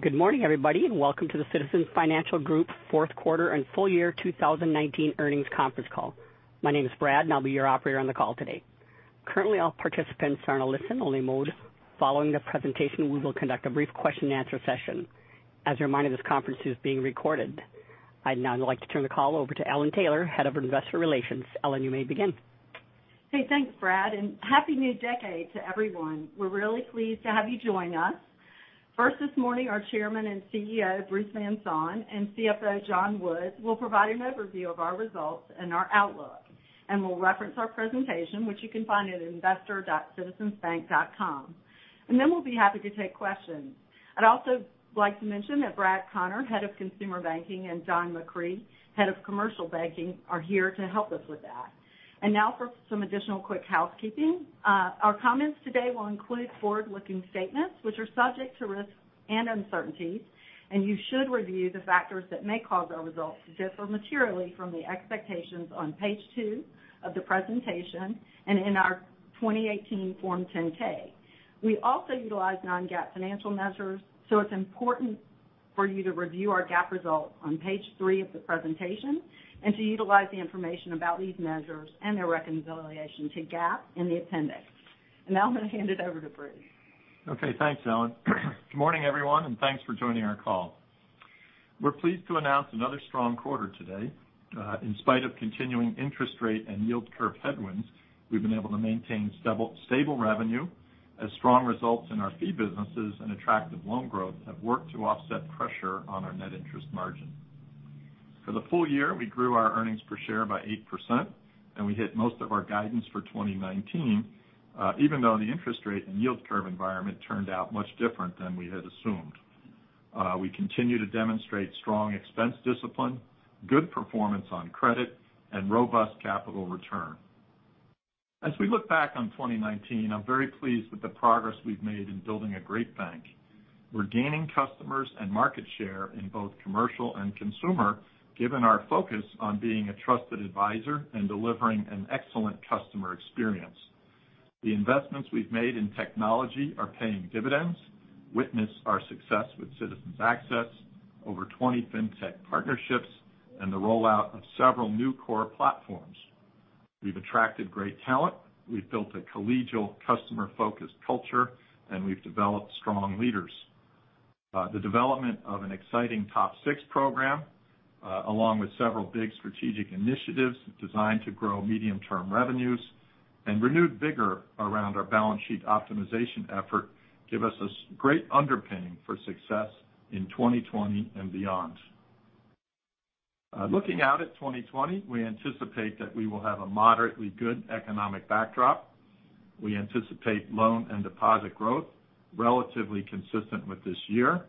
Good morning, everybody, and welcome to the Citizens Financial Group fourth quarter and full year 2019 earnings conference call. My name is Brad, and I'll be your operator on the call today. Currently, all participants are in a listen-only mode. Following the presentation, we will conduct a brief question and answer session. As a reminder, this conference is being recorded. I'd now like to turn the call over to Ellen Taylor, Head of Investor Relations. Ellen, you may begin. Hey, thanks, Brad, and happy new decade to everyone. We're really pleased to have you join us. First this morning, our Chairman and CEO, Bruce Van Saun, and CFO, John Woods, will provide an overview of our results and our outlook. We'll reference our presentation, which you can find at investor.citizensbank.com. Then we'll be happy to take questions. I'd also like to mention that Brad Conner, Head of Consumer Banking, and Don McCree, Head of Commercial Banking, are here to help us with that. Now for some additional quick housekeeping. Our comments today will include forward-looking statements which are subject to risks and uncertainties, and you should review the factors that may cause our results to differ materially from the expectations on page two of the presentation and in our 2018 Form 10-K. We also utilize non-GAAP financial measures, so it's important for you to review our GAAP results on page three of the presentation and to utilize the information about these measures and their reconciliation to GAAP in the appendix. Now I'm going to hand it over to Bruce. Okay, thanks, Ellen. Good morning, everyone, and thanks for joining our call. We're pleased to announce another strong quarter today. In spite of continuing interest rate and yield curve headwinds, we've been able to maintain stable revenue as strong results in our fee businesses and attractive loan growth have worked to offset pressure on our net interest margin. For the full year, we grew our earnings per share by 8%, and we hit most of our guidance for 2019, even though the interest rate and yield curve environment turned out much different than we had assumed. We continue to demonstrate strong expense discipline, good performance on credit, and robust capital return. As we look back on 2019, I'm very pleased with the progress we've made in building a great bank. We're gaining customers and market share in both commercial and consumer, given our focus on being a trusted advisor and delivering an excellent customer experience. The investments we've made in technology are paying dividends. Witness our success with Citizens Access, over 20 fintech partnerships, and the rollout of several new core platforms. We've attracted great talent. We've built a collegial, customer-focused culture, and we've developed strong leaders. The development of an exciting TOP 6 program, along with several big strategic initiatives designed to grow medium-term revenues and renewed vigor around our balance sheet optimization effort give us a great underpinning for success in 2020 and beyond. Looking out at 2020, we anticipate that we will have a moderately good economic backdrop. We anticipate loan and deposit growth relatively consistent with this year,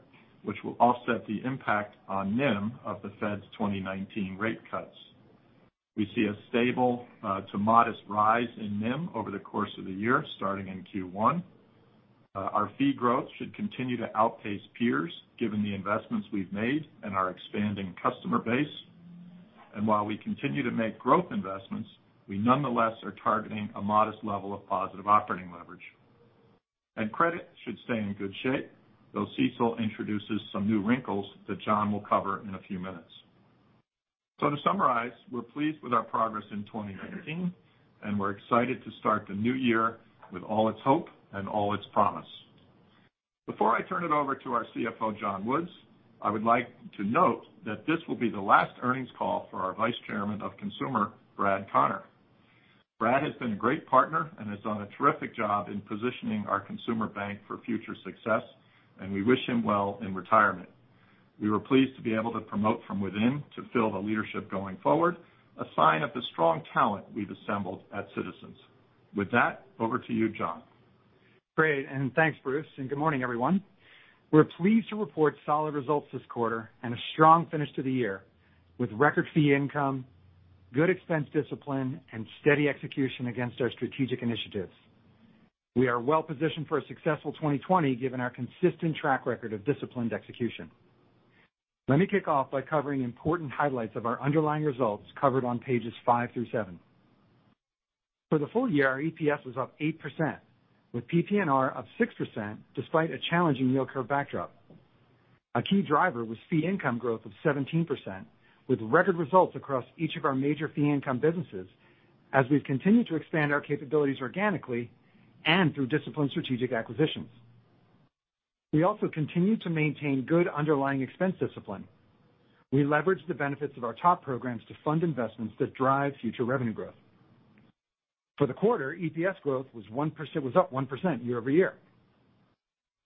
which will offset the impact on NIM of the Fed's 2019 rate cuts. We see a stable to modest rise in NIM over the course of the year, starting in Q1. Our fee growth should continue to outpace peers given the investments we've made and our expanding customer base. While we continue to make growth investments, we nonetheless are targeting a modest level of positive operating leverage. Credit should stay in good shape, though CECL introduces some new wrinkles that John will cover in a few minutes. To summarize, we're pleased with our progress in 2019, and we're excited to start the new year with all its hope and all its promise. Before I turn it over to our CFO, John Woods, I would like to note that this will be the last earnings call for our Vice Chairman of Consumer, Brad Conner. Brad has been a great partner and has done a terrific job in positioning our consumer bank for future success, and we wish him well in retirement. We were pleased to be able to promote from within to fill the leadership going forward, a sign of the strong talent we've assembled at Citizens. With that, over to you, Don. Great, thanks, Bruce, and good morning, everyone. We're pleased to report solid results this quarter and a strong finish to the year, with record fee income, good expense discipline, and steady execution against our strategic initiatives. We are well-positioned for a successful 2020 given our consistent track record of disciplined execution. Let me kick off by covering important highlights of our underlying results covered on pages five through seven. For the full year, our EPS was up 8%, with PPNR up 6% despite a challenging yield curve backdrop. A key driver was fee income growth of 17%, with record results across each of our major fee income businesses as we've continued to expand our capabilities organically and through disciplined strategic acquisitions. We also continue to maintain good underlying expense discipline. We leverage the benefits of our top programs to fund investments that drive future revenue growth. For the quarter, EPS growth was up 1% year-over-year.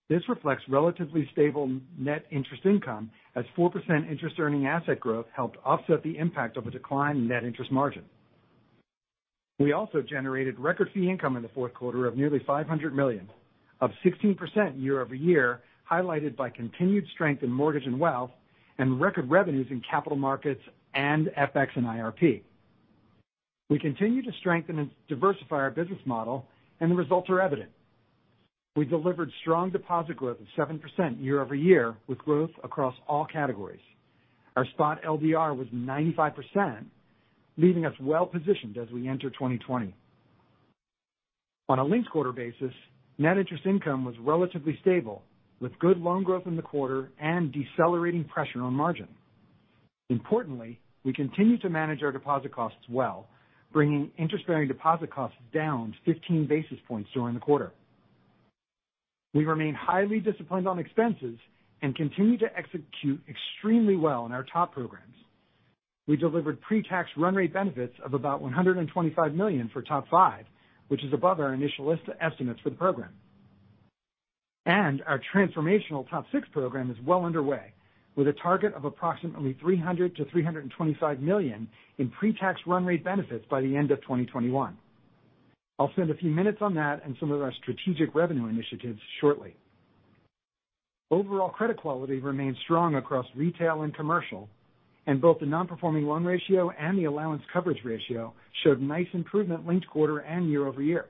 This reflects relatively stable net interest income as 4% interest-earning asset growth helped offset the impact of a decline in net interest margin. We also generated record fee income in the fourth quarter of nearly $500 million, up 16% year-over-year, highlighted by continued strength in mortgage and wealth and record revenues in capital markets and FX and IRP. We continue to strengthen and diversify our business model, and the results are evident. We delivered strong deposit growth of 7% year-over-year, with growth across all categories. Our spot LDR was 95%, leaving us well-positioned as we enter 2020. On a linked-quarter basis, net interest income was relatively stable, with good loan growth in the quarter and decelerating pressure on margin. Importantly, we continue to manage our deposit costs well, bringing interest-bearing deposit costs down 15 basis points during the quarter. We remain highly disciplined on expenses and continue to execute extremely well in our TOP programs. We delivered pre-tax run rate benefits of about $125 million for TOP 5, which is above our initial estimates for the program. Our transformational TOP 6 program is well underway, with a target of approximately $300 million-$325 million in pre-tax run rate benefits by the end of 2021. I'll spend a few minutes on that and some of our strategic revenue initiatives shortly. Overall credit quality remains strong across retail and commercial, and both the non-performing loan ratio and the allowance coverage ratio showed nice improvement linked quarter and year-over-year.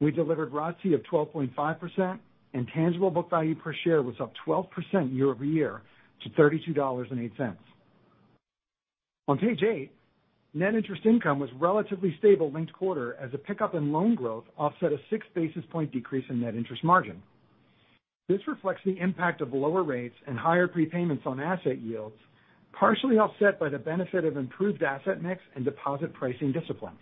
We delivered ROTCE of 12.5%, and tangible book value per share was up 12% year-over-year to $32.08. On page eight, net interest income was relatively stable linked quarter as a pickup in loan growth offset a six basis point decrease in net interest margin. This reflects the impact of lower rates and higher prepayments on asset yields, partially offset by the benefit of improved asset mix and deposit pricing discipline.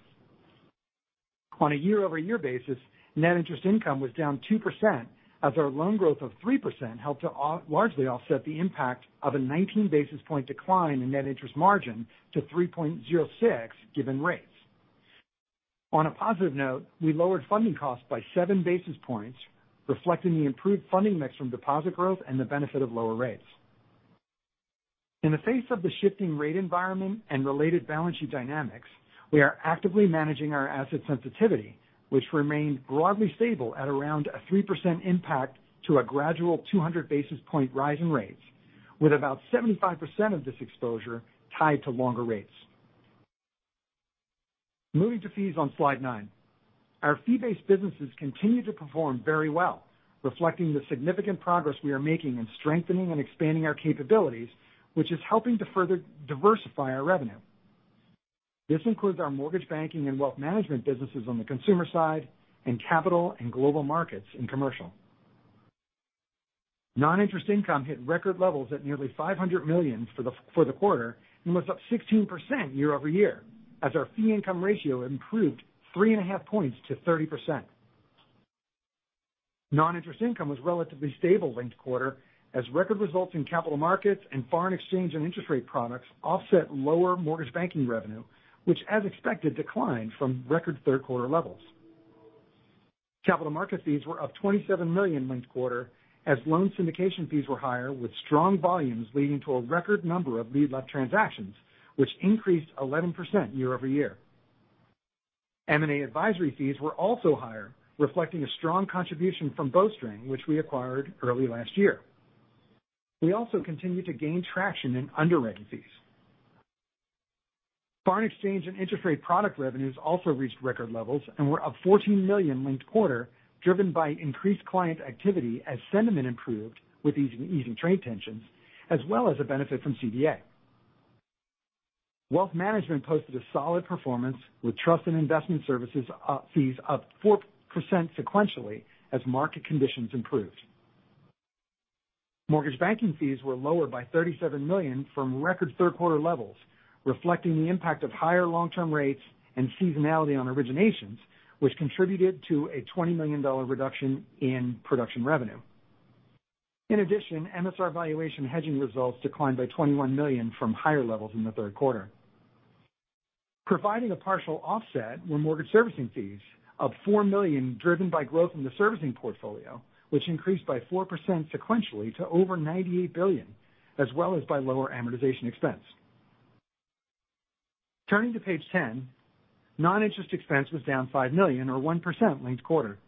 On a year-over-year basis, net interest income was down 2% as our loan growth of 3% helped to largely offset the impact of a 19-basis point decline in net interest margin to 3.06 given rates. On a positive note, we lowered funding costs by seven basis points, reflecting the improved funding mix from deposit growth and the benefit of lower rates. In the face of the shifting rate environment and related balance sheet dynamics, we are actively managing our asset sensitivity, which remained broadly stable at around a 3% impact to a gradual 200 basis points rise in rates, with about 75% of this exposure tied to longer rates. Moving to fees on slide nine. Our fee-based businesses continue to perform very well, reflecting the significant progress we are making in strengthening and expanding our capabilities, which is helping to further diversify our revenue. This includes our mortgage banking and wealth management businesses on the consumer side and capital and global markets in commercial. Non-interest income hit record levels at nearly $500 million for the quarter and was up 16% year-over-year as our fee income ratio improved 3.5 points to 30%. Non-interest income was relatively stable linked quarter as record results in capital markets and foreign exchange and interest rate products offset lower mortgage banking revenue, which, as expected, declined from record third quarter levels. Capital market fees were up $27 million linked quarter as loan syndication fees were higher with strong volumes leading to a record number of lead left transactions, which increased 11% year-over-year. M&A advisory fees were also higher, reflecting a strong contribution from Bowstring, which we acquired early last year. We also continue to gain traction in underwriting fees. Foreign exchange and interest rate product revenues also reached record levels and were up $14 million linked quarter, driven by increased client activity as sentiment improved with easing trade tensions as well as a benefit from CBA. Wealth management posted a solid performance with trust and investment services fees up 4% sequentially as market conditions improved. Mortgage banking fees were lower by $37 million from record third quarter levels, reflecting the impact of higher long-term rates and seasonality on originations, which contributed to a $20 million reduction in production revenue. In addition, MSR valuation hedging results declined by $21 million from higher levels in the third quarter. Providing a partial offset were mortgage servicing fees up $4 million driven by growth in the servicing portfolio, which increased by 4% sequentially to over $98 billion as well as by lower amortization expense. Turning to page 10, non-interest expense was down $5 million or 1% linked quarter.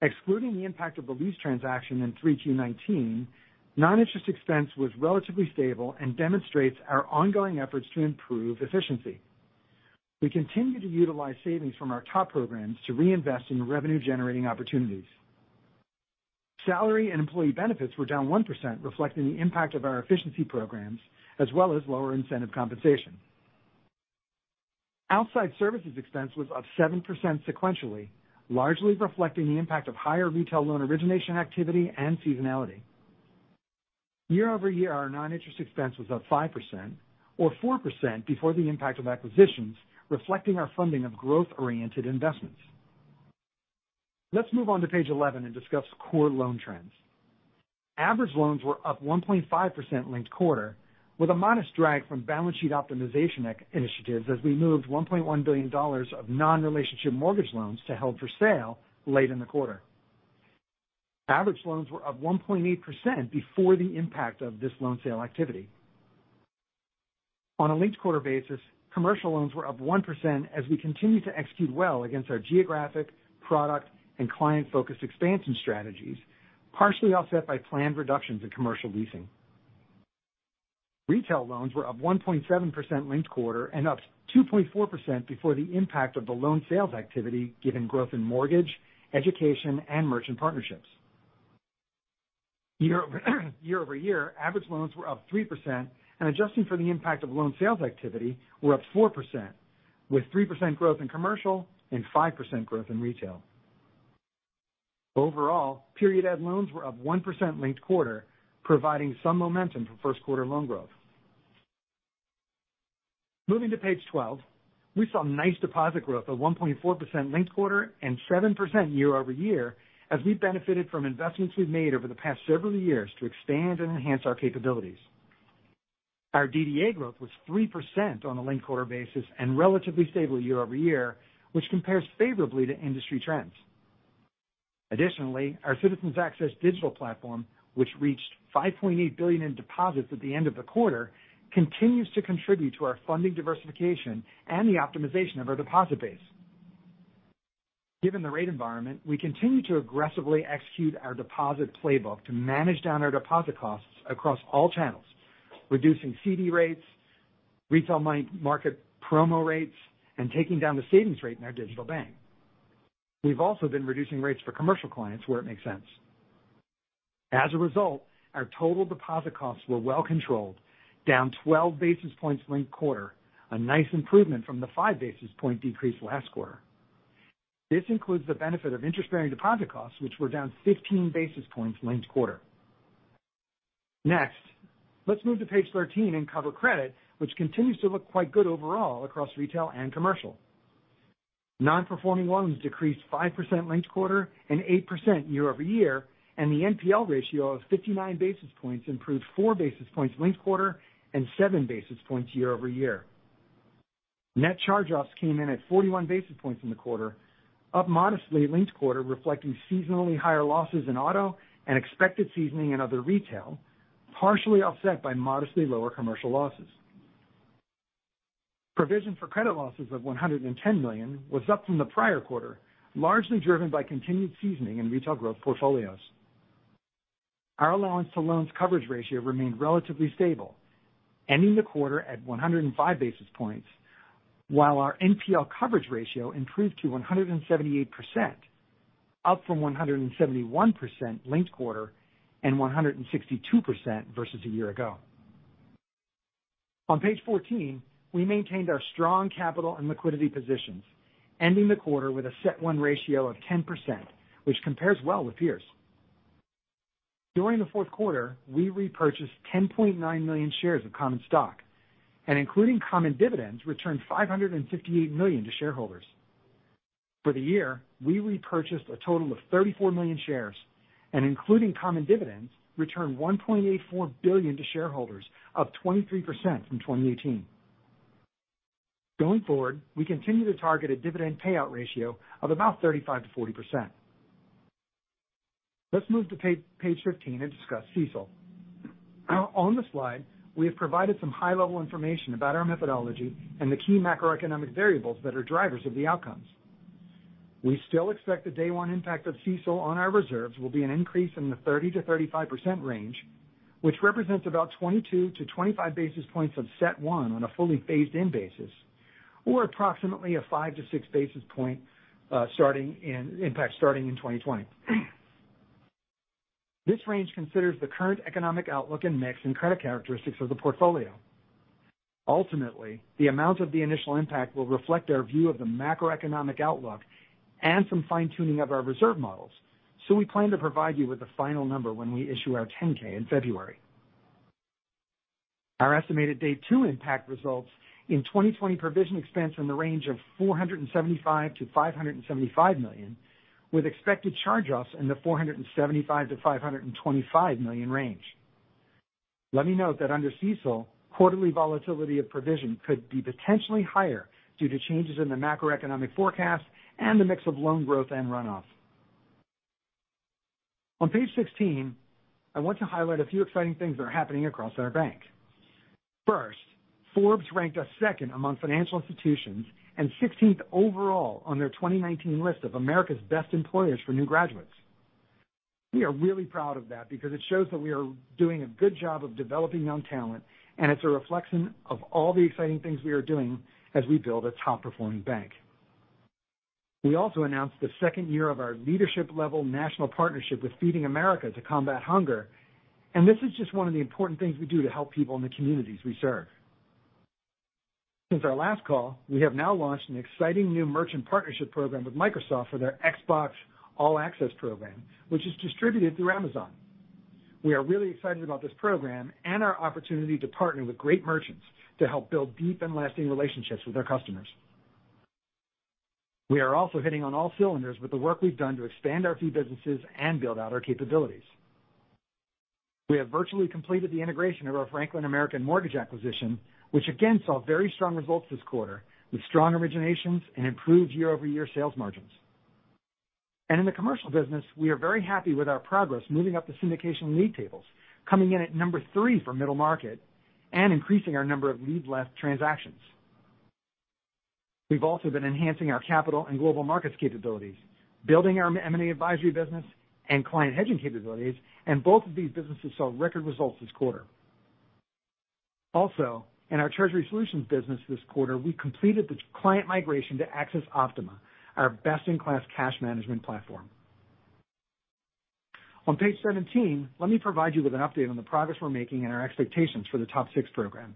Excluding the impact of the lease transaction in 3Q 2019, non-interest expense was relatively stable and demonstrates our ongoing efforts to improve efficiency. We continue to utilize savings from our top programs to reinvest in revenue-generating opportunities. Salary and employee benefits were down 1%, reflecting the impact of our efficiency programs as well as lower incentive compensation. Outside services expense was up 7% sequentially, largely reflecting the impact of higher retail loan origination activity and seasonality. Year-over-year, our non-interest expense was up 5% or 4% before the impact of acquisitions, reflecting our funding of growth-oriented investments. Let's move on to page 11 and discuss core loan trends. Average loans were up 1.5% linked quarter with a modest drag from balance sheet optimization initiatives as we moved $1.1 billion of non-relationship mortgage loans to held for sale late in the quarter. Average loans were up 1.8% before the impact of this loan sale activity. On a linked-quarter basis, commercial loans were up 1% as we continue to execute well against our geographic, product, and client-focused expansion strategies, partially offset by planned reductions in commercial leasing. Retail loans were up 1.7% linked-quarter and up 2.4% before the impact of the loan sales activity given growth in mortgage, education, and merchant partnerships. Year-over-year, average loans were up 3%, and adjusting for the impact of loan sales activity were up 4%, with 3% growth in commercial and 5% growth in retail. Overall, period add loans were up 1% linked-quarter, providing some momentum for first quarter loan growth. Moving to page 12, we saw nice deposit growth of 1.4% linked-quarter and 7% year-over-year as we benefited from investments we've made over the past several years to expand and enhance our capabilities. Our DDA growth was 3% on a linked-quarter basis and relatively stable year-over-year, which compares favorably to industry trends. Our Citizens Access digital platform, which reached $5.8 billion in deposits at the end of the quarter, continues to contribute to our funding diversification and the optimization of our deposit base. Given the rate environment, we continue to aggressively execute our deposit playbook to manage down our deposit costs across all channels, reducing CD rates, retail market promo rates, and taking down the savings rate in our digital bank. We've also been reducing rates for commercial clients where it makes sense. Our total deposit costs were well controlled, down 12 basis points linked quarter, a nice improvement from the five basis point decrease last quarter. This includes the benefit of interest-bearing deposit costs, which were down 15 basis points linked quarter. Let's move to page 13 and cover credit, which continues to look quite good overall across retail and commercial. Non-performing loans decreased 5% linked quarter and 8% year-over-year, and the NPL ratio of 59 basis points improved four basis points linked quarter and seven basis points year-over-year. Net charge-offs came in at 41 basis points in the quarter, up modestly linked quarter, reflecting seasonally higher losses in auto and expected seasoning in other retail, partially offset by modestly lower commercial losses. Provision for credit losses of $110 million was up from the prior quarter, largely driven by continued seasoning in retail growth portfolios. Our allowance to loans coverage ratio remained relatively stable, ending the quarter at 105 basis points, while our NPL coverage ratio improved to 178%, up from 171% linked quarter and 162% versus a year ago. On page 14, we maintained our strong capital and liquidity positions, ending the quarter with a CET1 ratio of 10%, which compares well with peers. During the fourth quarter, we repurchased 10.9 million shares of common stock and including common dividends, returned $558 million to shareholders. For the year, we repurchased a total of 34 million shares and including common dividends, returned $1.84 billion to shareholders, up 23% from 2018. Going forward, we continue to target a dividend payout ratio of about 35%-40%. Let's move to page 15 and discuss CECL. On the slide, we have provided some high-level information about our methodology and the key macroeconomic variables that are drivers of the outcomes. We still expect the day one impact of CECL on our reserves will be an increase in the 30%-35% range, which represents about 22-25 basis points of CET1 on a fully phased in basis, or approximately a 5-6 basis point impact starting in 2020. This range considers the current economic outlook and mix and credit characteristics of the portfolio. The amount of the initial impact will reflect our view of the macroeconomic outlook and some fine-tuning of our reserve models. We plan to provide you with a final number when we issue our 10-K in February. Our estimated day 2 impact results in 2020 provision expense in the range of $475 million-$575 million, with expected charge-offs in the $475 million-$525 million range. Let me note that under CECL, quarterly volatility of provision could be potentially higher due to changes in the macroeconomic forecast and the mix of loan growth and runoff. On page 16, I want to highlight a few exciting things that are happening across our bank. First, Forbes ranked us second among financial institutions and 16th overall on their 2019 list of America's best employers for new graduates. We are really proud of that because it shows that we are doing a good job of developing young talent, and it's a reflection of all the exciting things we are doing as we build a top-performing bank. We also announced the second year of our leadership-level national partnership with Feeding America to combat hunger, and this is just one of the important things we do to help people in the communities we serve. Since our last call, we have now launched an exciting new merchant partnership program with Microsoft for their Xbox All Access program, which is distributed through Amazon. We are really excited about this program and our opportunity to partner with great merchants to help build deep and lasting relationships with our customers. We are also hitting on all cylinders with the work we've done to expand our fee businesses and build out our capabilities. We have virtually completed the integration of our Franklin American Mortgage acquisition, which again saw very strong results this quarter with strong originations and improved year-over-year sales margins. In the commercial business, we are very happy with our progress moving up the syndication lead tables, coming in at number 3 for middle market and increasing our number of lead left transactions. We've also been enhancing our capital and global markets capabilities, building our M&A advisory business and client hedging capabilities, and both of these businesses saw record results this quarter. In our treasury solutions business this quarter, we completed the client migration to accessOPTIMA, our best-in-class cash management platform. On page 17, let me provide you with an update on the progress we're making and our expectations for the TOP 6 program.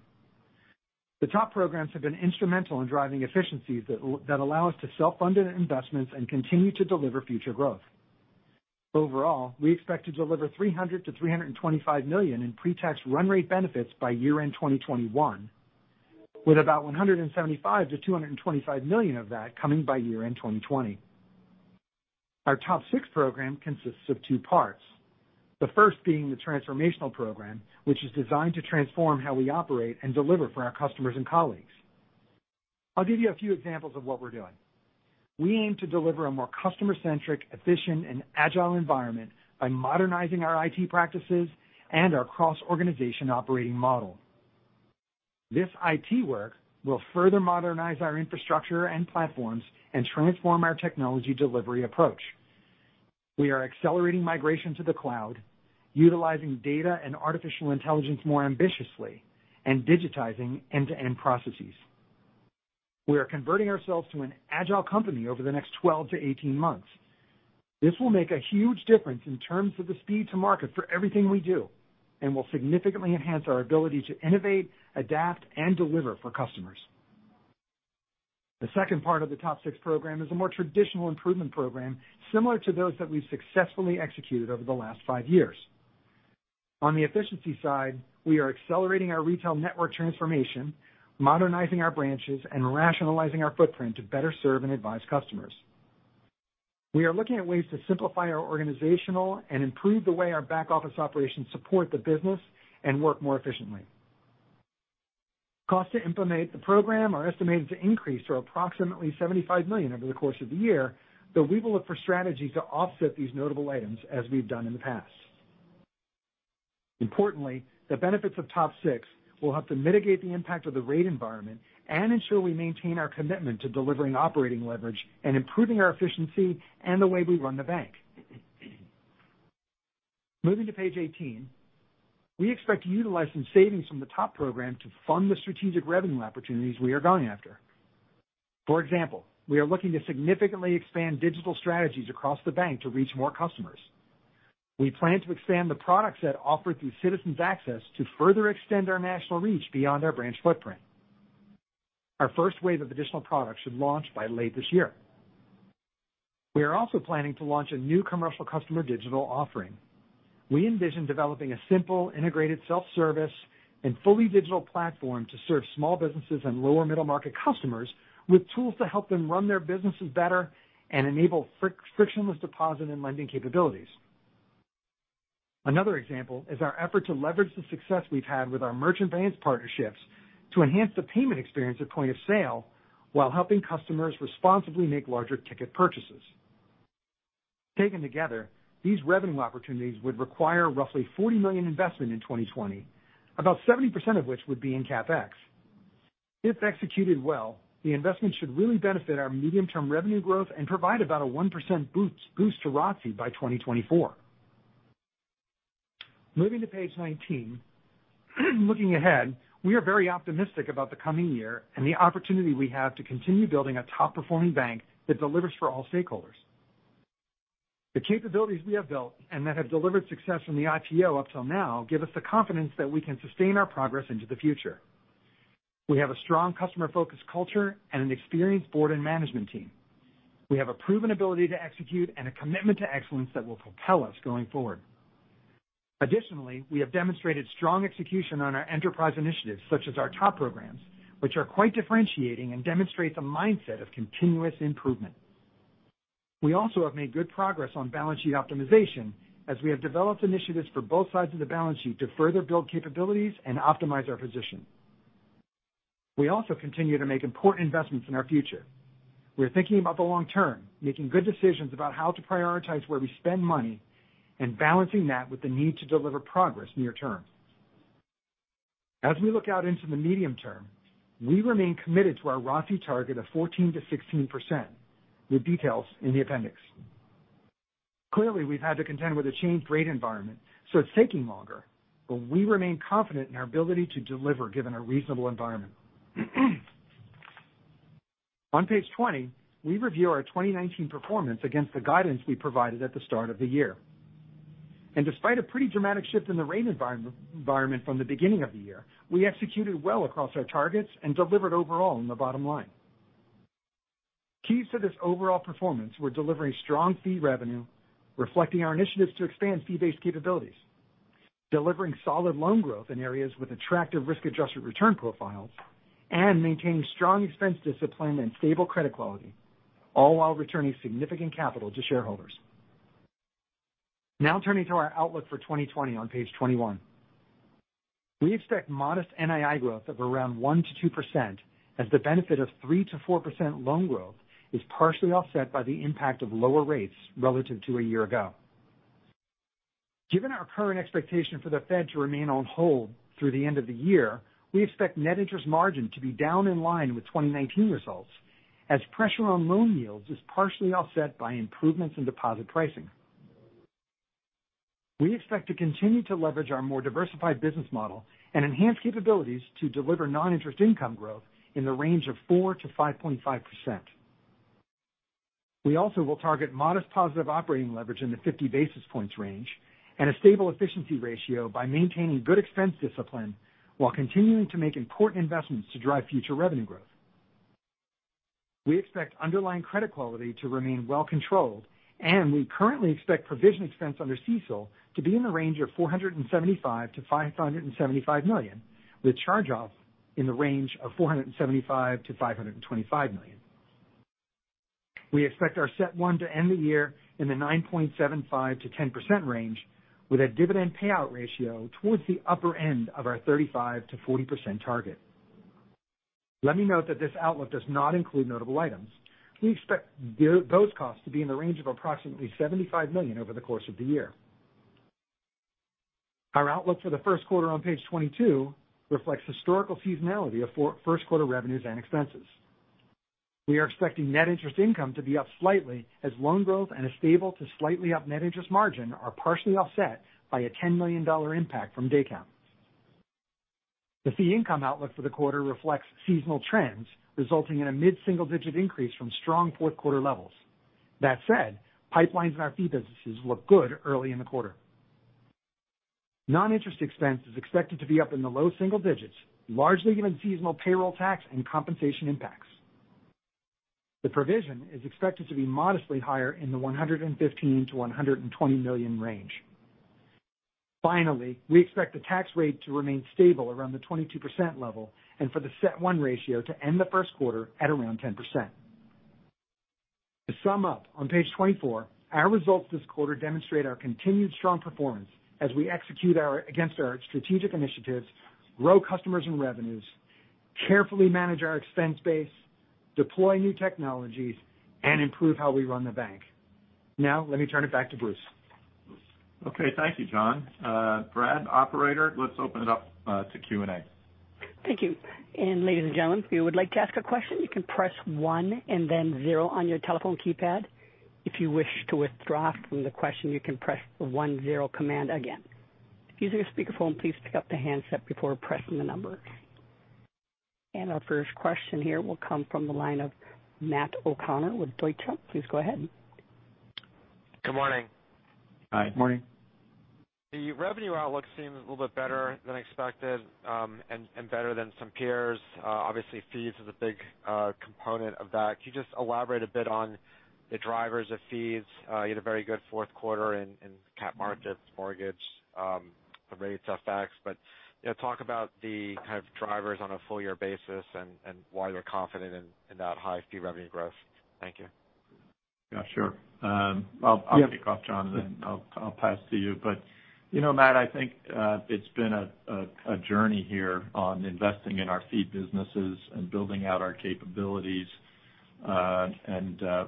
The TOP programs have been instrumental in driving efficiencies that allow us to self-fund investments and continue to deliver future growth. Overall, we expect to deliver $300 million-$325 million in pre-tax run rate benefits by year-end 2021, with about $175 million-$225 million of that coming by year-end 2020. Our TOP 6 program consists of two parts. The first being the transformational program, which is designed to transform how we operate and deliver for our customers and colleagues. I'll give you a few examples of what we're doing. We aim to deliver a more customer-centric, efficient, and agile environment by modernizing our IT practices and our cross-organization operating model. This IT work will further modernize our infrastructure and platforms and transform our technology delivery approach. We are accelerating migration to the cloud, utilizing data and artificial intelligence more ambitiously, and digitizing end-to-end processes. We are converting ourselves to an agile company over the next 12 to 18 months. This will make a huge difference in terms of the speed to market for everything we do and will significantly enhance our ability to innovate, adapt, and deliver for customers. The second part of the TOP 6 program is a more traditional improvement program similar to those that we've successfully executed over the last five years. On the efficiency side, we are accelerating our retail network transformation, modernizing our branches, and rationalizing our footprint to better serve and advise customers. We are looking at ways to simplify our organization and improve the way our back-office operations support the business and work more efficiently. Costs to implement the program are estimated to increase to approximately $75 million over the course of the year, though we will look for strategies to offset these notable items as we've done in the past. Importantly, the benefits of TOP 6 will help to mitigate the impact of the rate environment and ensure we maintain our commitment to delivering operating leverage and improving our efficiency and the way we run the bank. Moving to page 18. We expect to utilize some savings from the TOP program to fund the strategic revenue opportunities we are going after. For example, we are looking to significantly expand digital strategies across the bank to reach more customers. We plan to expand the products that offer through Citizens Access to further extend our national reach beyond our branch footprint. Our first wave of additional products should launch by late this year. We are also planning to launch a new commercial customer digital offering. We envision developing a simple, integrated self-service, and fully digital platform to serve small businesses and lower middle-market customers with tools to help them run their businesses better and enable frictionless deposit and lending capabilities. Another example is our effort to leverage the success we've had with our merchant partnerships to enhance the payment experience at point of sale while helping customers responsibly make larger ticket purchases. Taken together, these revenue opportunities would require roughly $40 million investment in 2020, about 70% of which would be in CapEx. If executed well, the investment should really benefit our medium-term revenue growth and provide about a 1% boost to ROTCE by 2024. Moving to page 19. Looking ahead, we are very optimistic about the coming year and the opportunity we have to continue building a top-performing bank that delivers for all stakeholders. The capabilities we have built and that have delivered success from the IPO up till now give us the confidence that we can sustain our progress into the future. We have a strong customer-focused culture and an experienced board and management team. We have a proven ability to execute and a commitment to excellence that will propel us going forward. Additionally, we have demonstrated strong execution on our enterprise initiatives, such as our TOP programs, which are quite differentiating and demonstrate the mindset of continuous improvement. We also have made good progress on balance sheet optimization as we have developed initiatives for both sides of the balance sheet to further build capabilities and optimize our position. We also continue to make important investments in our future. We're thinking about the long term, making good decisions about how to prioritize where we spend money, and balancing that with the need to deliver progress near term. As we look out into the medium term, we remain committed to our ROCE target of 14%-16%, with details in the appendix. Clearly, we've had to contend with a changed rate environment, so it's taking longer, but we remain confident in our ability to deliver given a reasonable environment. On page 20, we review our 2019 performance against the guidance we provided at the start of the year. Despite a pretty dramatic shift in the rate environment from the beginning of the year, we executed well across our targets and delivered overall on the bottom line. Keys to this overall performance were delivering strong fee revenue, reflecting our initiatives to expand fee-based capabilities, delivering solid loan growth in areas with attractive risk-adjusted return profiles, and maintaining strong expense discipline and stable credit quality, all while returning significant capital to shareholders. Now turning to our outlook for 2020 on page 21. We expect modest NII growth of around 1%-2% as the benefit of 3%-4% loan growth is partially offset by the impact of lower rates relative to a year ago. Given our current expectation for the Fed to remain on hold through the end of the year, we expect net interest margin to be down in line with 2019 results, as pressure on loan yields is partially offset by improvements in deposit pricing. We expect to continue to leverage our more diversified business model and enhance capabilities to deliver non-interest income growth in the range of 4%-5.5%. We also will target modest positive operating leverage in the 50 basis points range and a stable efficiency ratio by maintaining good expense discipline while continuing to make important investments to drive future revenue growth. We expect underlying credit quality to remain well controlled, and we currently expect provision expense under CECL to be in the range of $475 million-$575 million, with charge-offs in the range of $475 million-$525 million. We expect our CET1 to end the year in the 9.75%-10% range with a dividend payout ratio towards the upper end of our 35%-40% target. Let me note that this outlook does not include notable items. We expect those costs to be in the range of approximately $75 million over the course of the year. Our outlook for the first quarter on page 22 reflects historical seasonality of first-quarter revenues and expenses. We are expecting Net Interest Income to be up slightly as loan growth and a stable to slightly up Net Interest Margin are partially offset by a $10 million impact from day count. The fee income outlook for the quarter reflects seasonal trends, resulting in a mid-single-digit increase from strong fourth-quarter levels. That said, pipelines in our fee businesses look good early in the quarter. Non-interest expense is expected to be up in the low single digits, largely given seasonal payroll tax and compensation impacts. The provision is expected to be modestly higher in the $115 million-$120 million range. We expect the tax rate to remain stable around the 22% level and for the CET1 ratio to end the first quarter at around 10%. To sum up, on page 24, our results this quarter demonstrate our continued strong performance as we execute against our strategic initiatives, grow customers and revenues, carefully manage our expense base, deploy new technologies, and improve how we run the bank. Let me turn it back to Bruce. Okay. Thank you, John. Brad, operator, let's open it up to Q&A. Thank you. Ladies and gentlemen, if you would like to ask a question, you can press one and then zero on your telephone keypad. If you wish to withdraw from the question, you can press the one-zero command again. If using a speakerphone, please pick up the handset before pressing the numbers. Our first question here will come from the line of Matt O'Connor with Deutsche Bank. Please go ahead. Good morning. Hi. Morning. The revenue outlook seems a little bit better than expected, and better than some peers. Obviously, fees is a big component of that. Can you just elaborate a bit on the drivers of fees? You had a very good fourth quarter in capital markets, mortgage, the rates effects. Talk about the kind of drivers on a full-year basis and why you're confident in that high fee revenue growth. Thank you. Yeah, sure. I'll kick off John, and then I'll pass to you. Matt, I think it's been a journey here on investing in our fee businesses and building out our capabilities.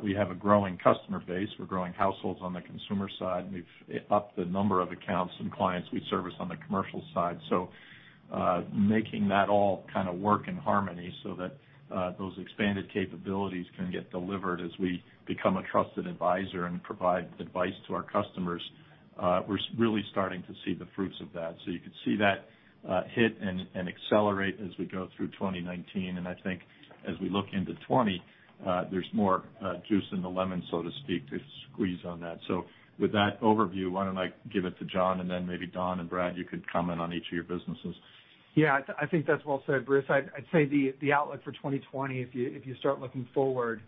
We have a growing customer base. We're growing households on the consumer side, and we've upped the number of accounts and clients we service on the commercial side. Making that all kind of work in harmony so that those expanded capabilities can get delivered as we become a trusted advisor and provide advice to our customers. We're really starting to see the fruits of that. You could see that hit and accelerate as we go through 2019. I think as we look into 2020, there's more juice in the lemon, so to speak, to squeeze on that. With that overview, why don't I give it to John and then maybe Don and Brad, you could comment on each of your businesses. I think that's well said, Bruce. I'd say the outlook for 2020, if you start looking forward,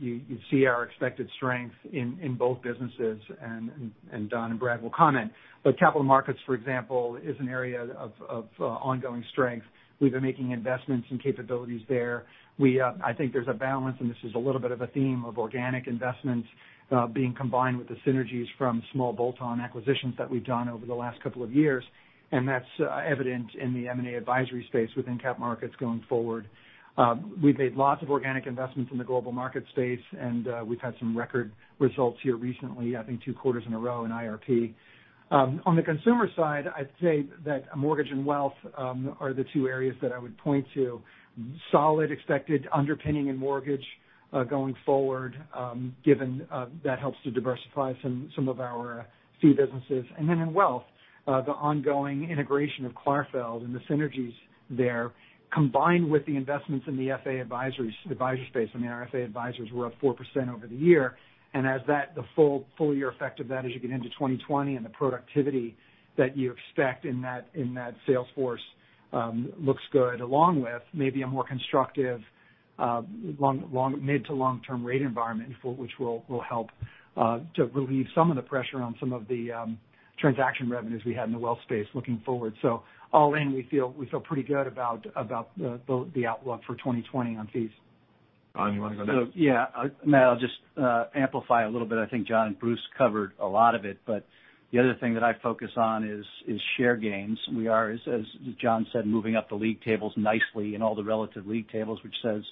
you'd see our expected strength in both businesses and Don and Brad will comment. Capital markets, for example, is an area of ongoing strength. We've been making investments and capabilities there. I think there's a balance, and this is a little bit of a theme of organic investments being combined with the synergies from small bolt-on acquisitions that we've done over the last couple of years, and that's evident in the M&A advisory space within capital markets going forward. We've made lots of organic investments in the global market space, and we've had some record results here recently, I think two quarters in a row in IRP. On the consumer side, I'd say that mortgage and wealth are the two areas that I would point to. Solid expected underpinning in mortgage going forward given that helps to diversify some of our fee businesses. Then in wealth, the ongoing integration of Clarfeld and the synergies there, combined with the investments in the FA advisory space. I mean, our FA advisors were up 4% over the year. As the full year effect of that as you get into 2020 and the productivity that you expect in that sales force looks good, along with maybe a more constructive mid to long-term rate environment which will help to relieve some of the pressure on some of the transaction revenues we had in the wealth space looking forward. All in, we feel pretty good about the outlook for 2020 on fees. Don, you want to go next? Yeah. Matt, I'll just amplify a little bit. I think John and Bruce covered a lot of it, but the other thing that I focus on is share gains. We are, as John said, moving up the league tables nicely in all the relative league tables, which says.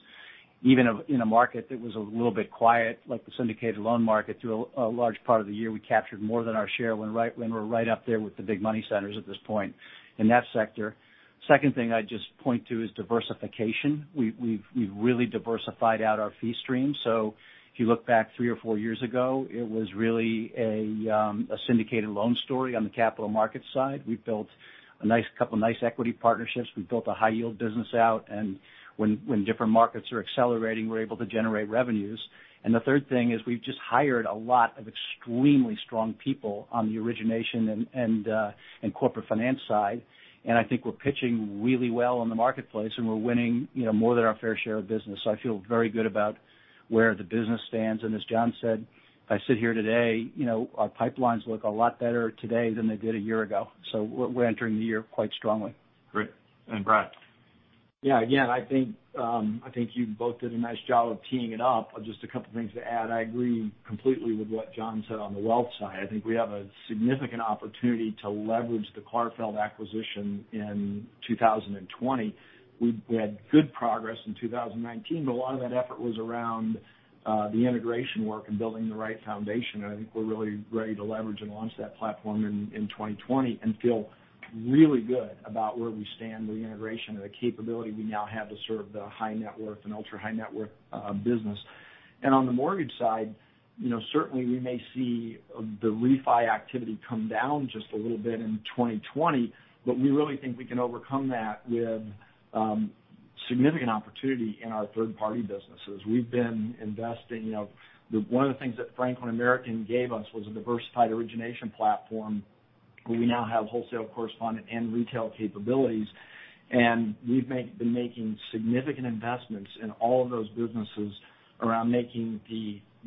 Even in a market that was a little bit quiet, like the syndicated loan market, through a large part of the year, we captured more than our share. We're right up there with the big money centers at this point in that sector. Second thing I'd just point to is diversification. We've really diversified out our fee stream. If you look back three or four years ago, it was really a syndicated loan story on the capital markets side. We've built a couple nice equity partnerships. We've built a high yield business out, and when different markets are accelerating, we're able to generate revenues. The third thing is we've just hired a lot of extremely strong people on the origination and corporate finance side. I think we're pitching really well in the marketplace, and we're winning more than our fair share of business. I feel very good about where the business stands. As John said, I sit here today, our pipelines look a lot better today than they did a year ago. We're entering the year quite strongly. Great. Brad? I think you both did a nice job of teeing it up. Just a couple things to add. I agree completely with what John said on the wealth side. I think we have a significant opportunity to leverage the Clarfeld acquisition in 2020. We had good progress in 2019. A lot of that effort was around the integration work and building the right foundation. I think we're really ready to leverage and launch that platform in 2020. Feel really good about where we stand with the integration and the capability we now have to serve the high net worth and ultra-high net worth business. On the mortgage side, certainly we may see the refi activity come down just a little bit in 2020. We really think we can overcome that with significant opportunity in our third-party businesses. We've been investing. One of the things that Franklin American gave us was a diversified origination platform where we now have wholesale correspondent and retail capabilities. We've been making significant investments in all of those businesses around making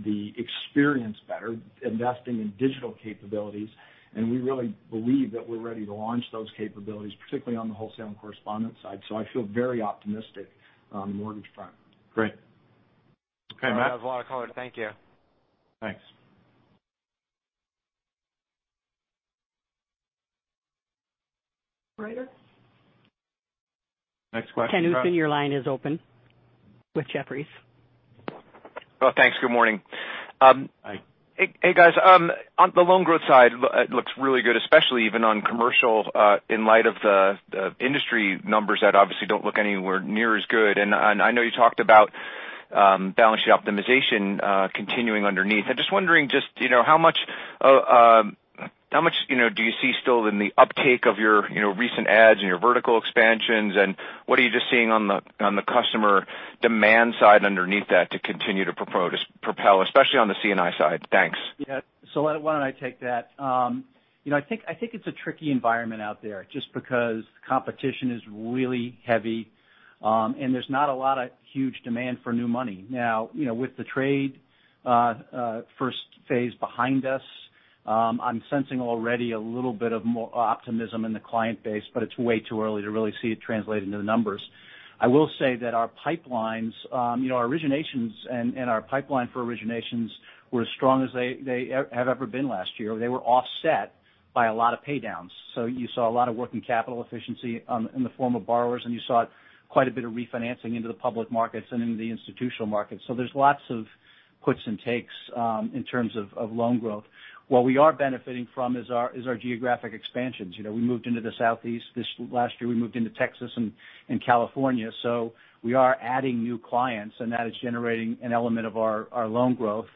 the experience better, investing in digital capabilities. We really believe that we're ready to launch those capabilities, particularly on the wholesale and correspondent side. I feel very optimistic on the mortgage front. Great. Okay, Matt. That was a lot of color. Thank you. Thanks. Operator? Next question, Brad. Ken Usdin, your line is open with Jefferies. Oh, thanks. Good morning. Hi. Hey, guys. On the loan growth side, it looks really good, especially even on commercial in light of the industry numbers that obviously don't look anywhere near as good. I know you talked about balance sheet optimization continuing underneath. I'm just wondering just how much do you see still in the uptake of your recent adds and your vertical expansions, and what are you just seeing on the customer demand side underneath that to continue to propel, especially on the C&I side? Thanks. Yeah. Why don't I take that? I think it's a tricky environment out there just because competition is really heavy, and there's not a lot of huge demand for new money. Now, with the trade first phase behind us, I'm sensing already a little bit of more optimism in the client base, but it's way too early to really see it translate into the numbers. I will say that our pipelines, our originations and our pipeline for originations were as strong as they have ever been last year. They were offset by a lot of paydowns. You saw a lot of working capital efficiency in the form of borrowers, and you saw quite a bit of refinancing into the public markets and into the institutional markets. There's lots of puts and takes in terms of loan growth. What we are benefiting from is our geographic expansions. We moved into the Southeast this last year. We moved into Texas and California. We are adding new clients, and that is generating an element of our loan growth.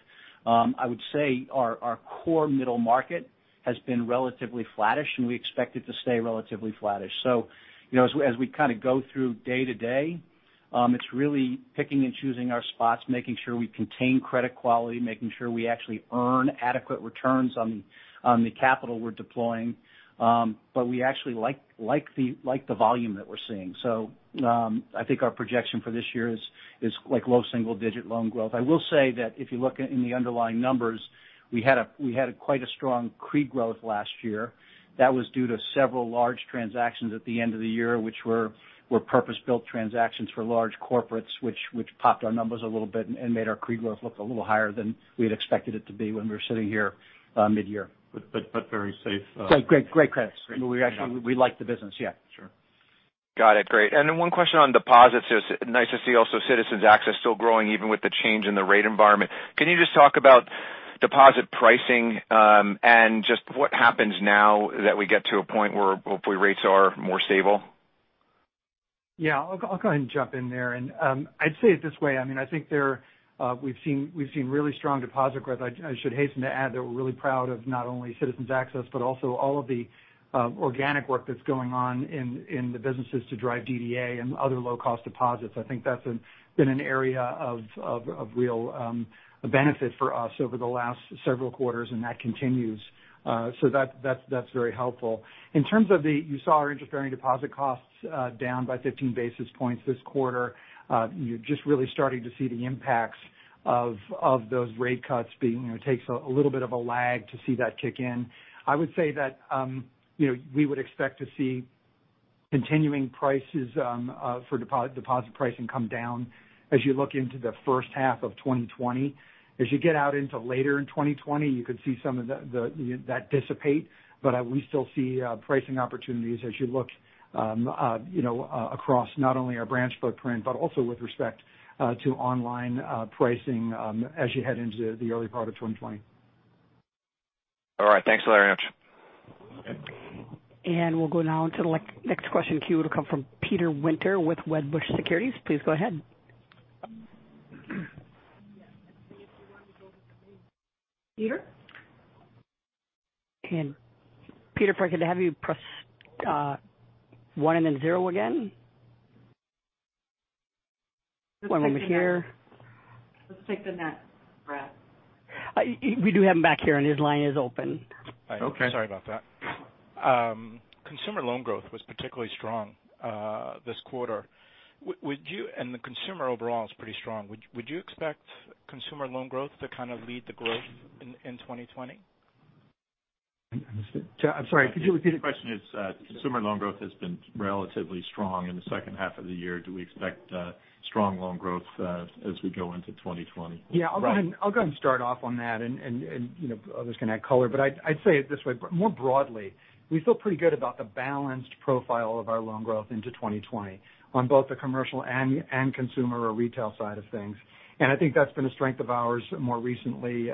I would say our core middle market has been relatively flattish, and we expect it to stay relatively flattish. As we kind of go through day to day, it's really picking and choosing our spots, making sure we contain credit quality, making sure we actually earn adequate returns on the capital we're deploying. We actually like the volume that we're seeing. I think our projection for this year is low single-digit loan growth. I will say that if you look in the underlying numbers, we had quite a strong CRE growth last year. That was due to several large transactions at the end of the year, which were purpose-built transactions for large corporates, which popped our numbers a little bit and made our CRE growth look a little higher than we had expected it to be when we were sitting here mid-year. But very safe- Great credits. We actually like the business. Yeah. Sure. Got it. Great. One question on deposits. It's nice to see also Citizens Access still growing even with the change in the rate environment. Can you just talk about deposit pricing, just what happens now that we get to a point where hopefully rates are more stable? Yeah. I'll go ahead and jump in there. I'd say it this way. I think we've seen really strong deposit growth. I should hasten to add that we're really proud of not only Citizens Access, but also all of the organic work that's going on in the businesses to drive DDA and other low-cost deposits. I think that's been an area of real benefit for us over the last several quarters, and that continues. That's very helpful. In terms of, you saw our interest-bearing deposit costs down by 15 basis points this quarter. You're just really starting to see the impacts of those rate cuts. It takes a little bit of a lag to see that kick in. I would say that we would expect to see continuing prices for deposit pricing come down as you look into the first half of 2020. As you get out into later in 2020, you could see some of that dissipate. We still see pricing opportunities as you look across not only our branch footprint, but also with respect to online pricing as you head into the early part of 2020. All right. Thanks a lot. We'll go now to the next question queue to come from Peter Winter with Wedbush Securities. Please go ahead. Yeah. Let's see if you want me to go to somebody. Peter? Peter, if I could have you press one and then zero again. One moment here. Let's take the next rep. We do have him back here, and his line is open. Okay. Sorry about that. Consumer loan growth was particularly strong this quarter. The consumer overall is pretty strong. Would you expect consumer loan growth to kind of lead the growth in 2020? I'm sorry. Could you repeat it? The question is, consumer loan growth has been relatively strong in the second half of the year. Do we expect strong loan growth as we go into 2020? Right. Yeah, I'll go ahead and start off on that and others can add color. I'd say it this way, more broadly, we feel pretty good about the balanced profile of our loan growth into 2020 on both the commercial and consumer or retail side of things. I think that's been a strength of ours more recently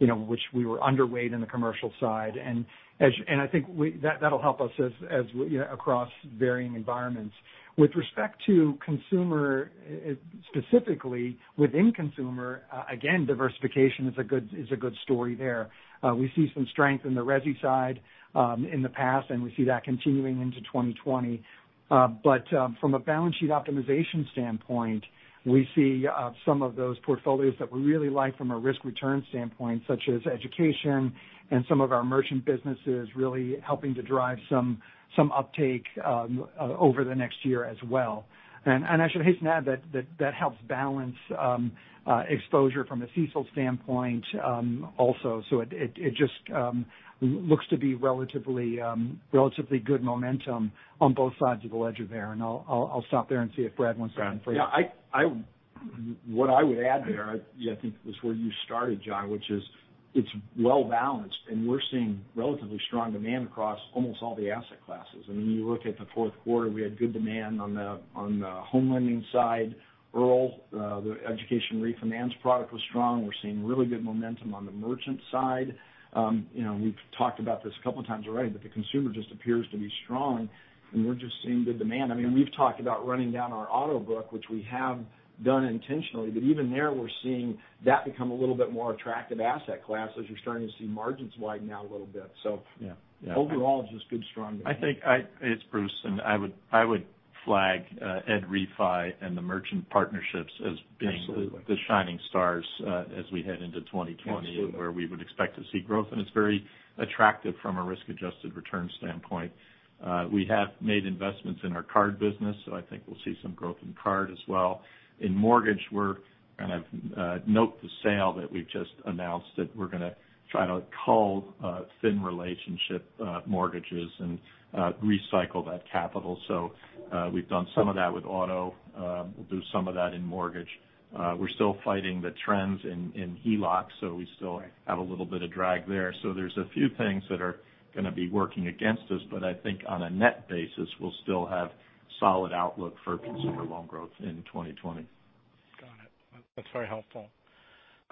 which we were underweight in the commercial side. I think that'll help us across varying environments. With respect to consumer, specifically within consumer, again, diversification is a good story there. We see some strength in the resi side in the past, and we see that continuing into 2020. From a balance sheet optimization standpoint, we see some of those portfolios that we really like from a risk-return standpoint, such as education and some of our merchant businesses really helping to drive some uptake over the next year as well. I should hasten to add that helps balance exposure from a CECL standpoint also. It just looks to be relatively good momentum on both sides of the ledger there, and I'll stop there and see if Brad wants to add anything. Yeah. What I would add there, I mean, was where you started, John, which is it's well-balanced and we're seeing relatively strong demand across almost all the asset classes. I mean, when you look at the fourth quarter, we had good demand on the home lending side. EARL, the education refinance product was strong. We're seeing really good momentum on the merchant side. We've talked about this a couple of times already, but the consumer just appears to be strong and we're just seeing good demand. I mean, we've talked about running down our auto book, which we have done intentionally, but even there, we're seeing that become a little bit more attractive asset class as you're starting to see margins widen out a little bit. Yeah. Overall, just good, strong demand. It's Bruce, and I would flag ed refi and the merchant partnerships. Absolutely the shining stars as we head into 2020. Absolutely where we would expect to see growth. It's very attractive from a risk-adjusted return standpoint. We have made investments in our card business, so I think we'll see some growth in card as well. In mortgage, note the sale that we've just announced that we're going to try to cull thin relationship mortgages and recycle that capital. We've done some of that with auto. We'll do some of that in mortgage. We're still fighting the trends in HELOCs, so we still have a little bit of drag there. There's a few things that are going to be working against us, but I think on a net basis, we'll still have solid outlook for consumer loan growth in 2020. Got it. That's very helpful.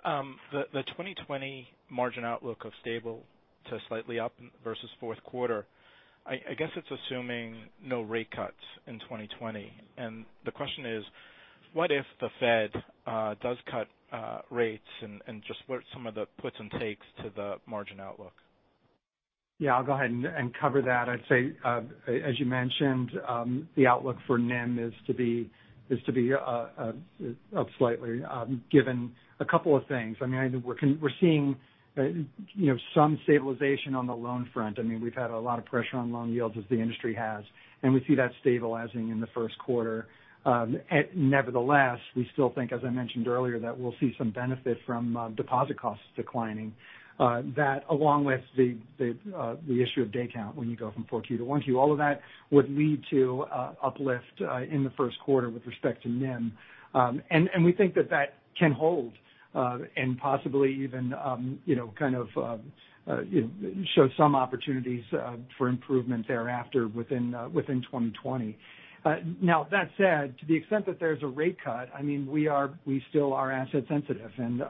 The 2020 margin outlook of stable to slightly up versus fourth quarter, I guess it's assuming no rate cuts in 2020. The question is, what if the Fed does cut rates and just what some of the puts and takes to the margin outlook? Yeah, I'll go ahead and cover that. I'd say, as you mentioned, the outlook for NIM is to be up slightly given a couple of things. I mean, we're seeing some stabilization on the loan front. I mean, we've had a lot of pressure on loan yields as the industry has, and we see that stabilizing in the first quarter. Nevertheless, we still think, as I mentioned earlier, that we'll see some benefit from deposit costs declining. That along with the issue of day count when you go from 4Q to 1Q. All of that would lead to uplift in the first quarter with respect to NIM. We think that that can hold and possibly even kind of show some opportunities for improvement thereafter within 2020. That said, to the extent that there's a rate cut, I mean, we still are asset sensitive and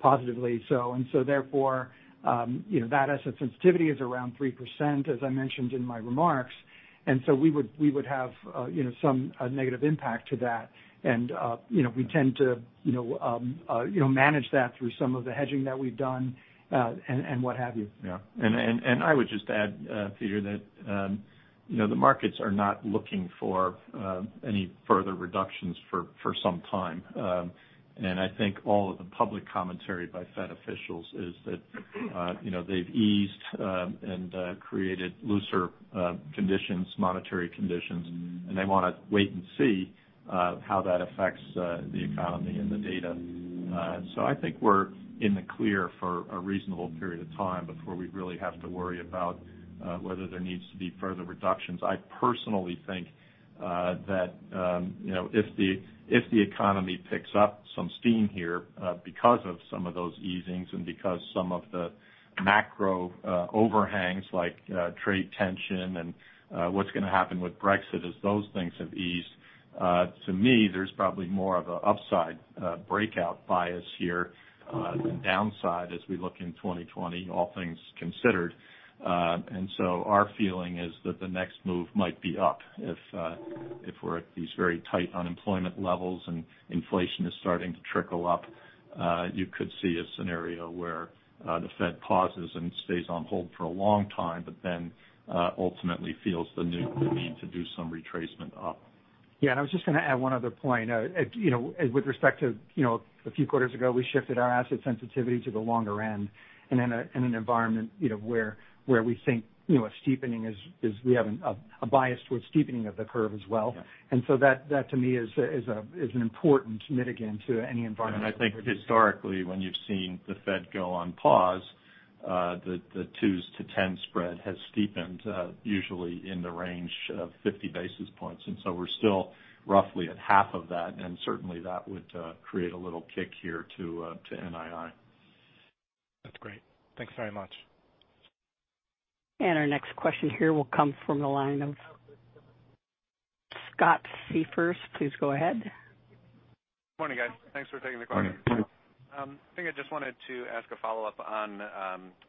positively so. Therefore, that asset sensitivity is around 3%, as I mentioned in my remarks. We would have some negative impact to that. We tend to manage that through some of the hedging that we've done and what have you. Yeah. I would just add, Peter, that the markets are not looking for any further reductions for some time. I think all of the public commentary by Fed officials is that they've eased and created looser monetary conditions, and they want to wait and see how that affects the economy and the data. I think we're in the clear for a reasonable period of time before we really have to worry about whether there needs to be further reductions. I personally think that if the economy picks up some steam here because of some of those easings and because some of the macro overhangs like trade tension and what's going to happen with Brexit as those things have eased, to me, there's probably more of a upside breakout bias here than downside as we look in 2020, all things considered. Our feeling is that the next move might be up if we're at these very tight unemployment levels and inflation is starting to trickle up. You could see a scenario where the Fed pauses and stays on hold for a long time, but then ultimately feels the need to do some retracement up. Yeah, I was just going to add one other point. With respect to a few quarters ago, we shifted our asset sensitivity to the longer end, and in an environment where we think a steepening, we have a bias towards steepening of the curve as well. Yeah. That to me is an important mitigant to any environment. I think historically, when you've seen the Fed go on pause, the twos to 10 spread has steepened, usually in the range of 50 basis points. We're still roughly at half of that, and certainly that would create a little kick here to NII. That's great. Thanks very much. Our next question here will come from the line of Scott Siefers. Please go ahead. Morning, guys. Thanks for taking the call. Morning. Morning. I think I just wanted to ask a follow-up on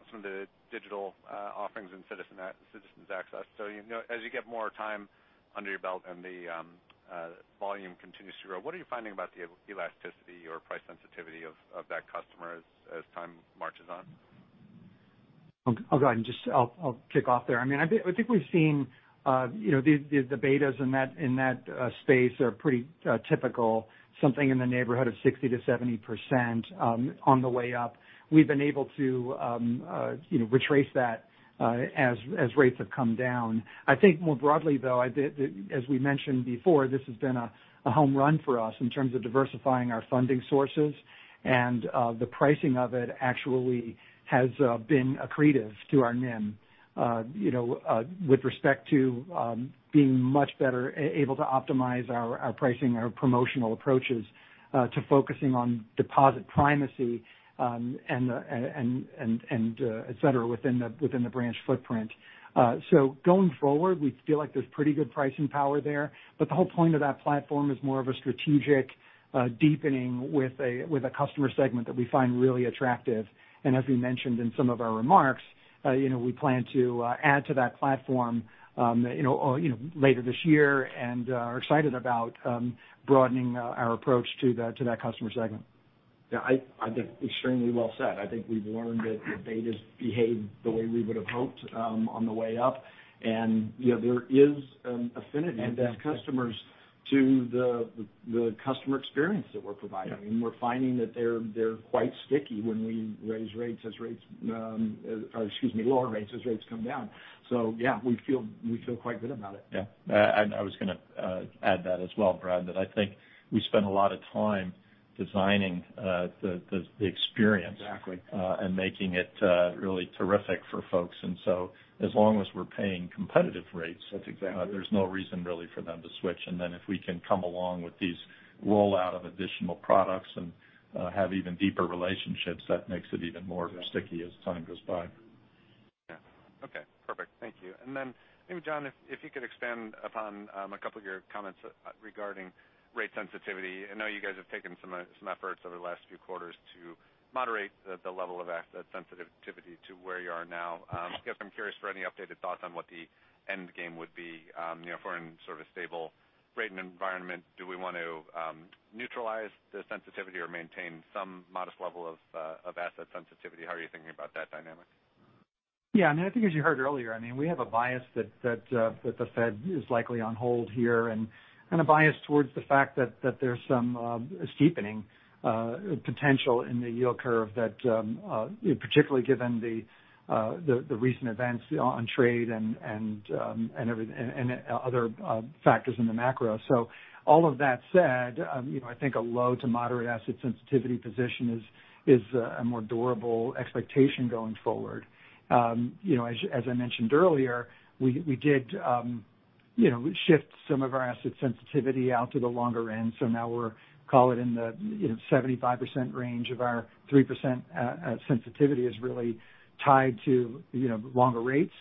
some of the digital offerings in Citizens Access. As you get more time under your belt and the volume continues to grow, what are you finding about the elasticity or price sensitivity of that customer as time marches on? I'll go ahead and just kick off there. I think we've seen the betas in that space are pretty typical, something in the neighborhood of 60%-70% on the way up. We've been able to retrace that as rates have come down. I think more broadly, though, as we mentioned before, this has been a home run for us in terms of diversifying our funding sources. The pricing of it actually has been accretive to our NIM with respect to being much better able to optimize our pricing, our promotional approaches to focusing on deposit primacy, et cetera, within the branch footprint. Going forward, we feel like there's pretty good pricing power there, but the whole point of that platform is more of a strategic deepening with a customer segment that we find really attractive. As we mentioned in some of our remarks, we plan to add to that platform later this year and are excited about broadening our approach to that customer segment. Yeah, I think extremely well said. I think we've learned that the betas behaved the way we would've hoped on the way up. There is an affinity with customers to the customer experience that we're providing. Yeah. We're finding that they're quite sticky when we lower rates as rates come down. Yeah, we feel quite good about it. Yeah. I was going to add that as well, Brad, that I think we spend a lot of time designing the experience. Exactly making it really terrific for folks. As long as we're paying competitive rates. That's exactly it. there's no reason really for them to switch. If we can come along with these rollout of additional products and have even deeper relationships, that makes it even more sticky as time goes by. Yeah. Okay, perfect. Thank you. Then maybe, John, if you could expand upon a couple of your comments regarding rate sensitivity. I know you guys have taken some efforts over the last few quarters to moderate the level of asset sensitivity to where you are now. I guess I'm curious for any updated thoughts on what the end game would be if we're in sort of a stable rating environment. Do we want to neutralize the sensitivity or maintain some modest level of asset sensitivity? How are you thinking about that dynamic? I think as you heard earlier, we have a bias that the Fed is likely on hold here and a bias towards the fact that there's some steepening potential in the yield curve that particularly given the recent events on trade and other factors in the macro. All of that said, I think a low to moderate asset sensitivity position is a more durable expectation going forward. As I mentioned earlier, we did shift some of our asset sensitivity out to the longer end. Now we're, call it in the 75% range of our 3% sensitivity is really tied to longer rates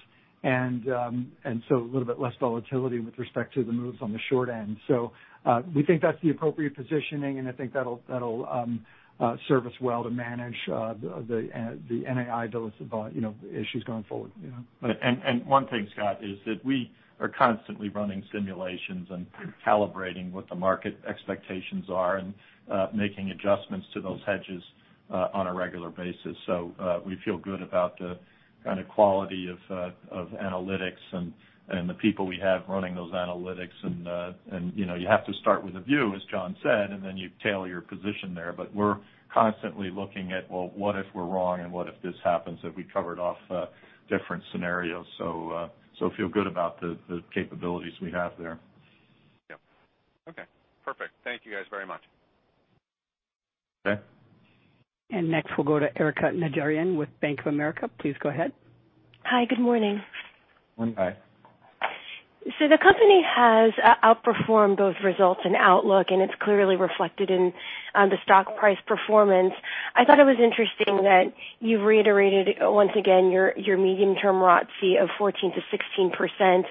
and so a little bit less volatility with respect to the moves on the short end. We think that's the appropriate positioning, and I think that'll serve us well to manage the NII dose of issues going forward. One thing, Scott, is that we are constantly running simulations and calibrating what the market expectations are and making adjustments to those hedges on a regular basis. We feel good about the kind of quality of analytics and the people we have running those analytics and you have to start with a view, as John said, and then you tailor your position there. We're constantly looking at, well, what if we're wrong and what if this happens? Have we covered off different scenarios? Feel good about the capabilities we have there. Yep. Okay, perfect. Thank you guys very much. Okay. Next we'll go to Erika Najarian with Bank of America. Please go ahead. Hi, good morning. Morning. Hi. The company has outperformed those results in outlook, and it's clearly reflected in the stock price performance. I thought it was interesting that you reiterated once again your medium-term ROTCE of 14%-16%.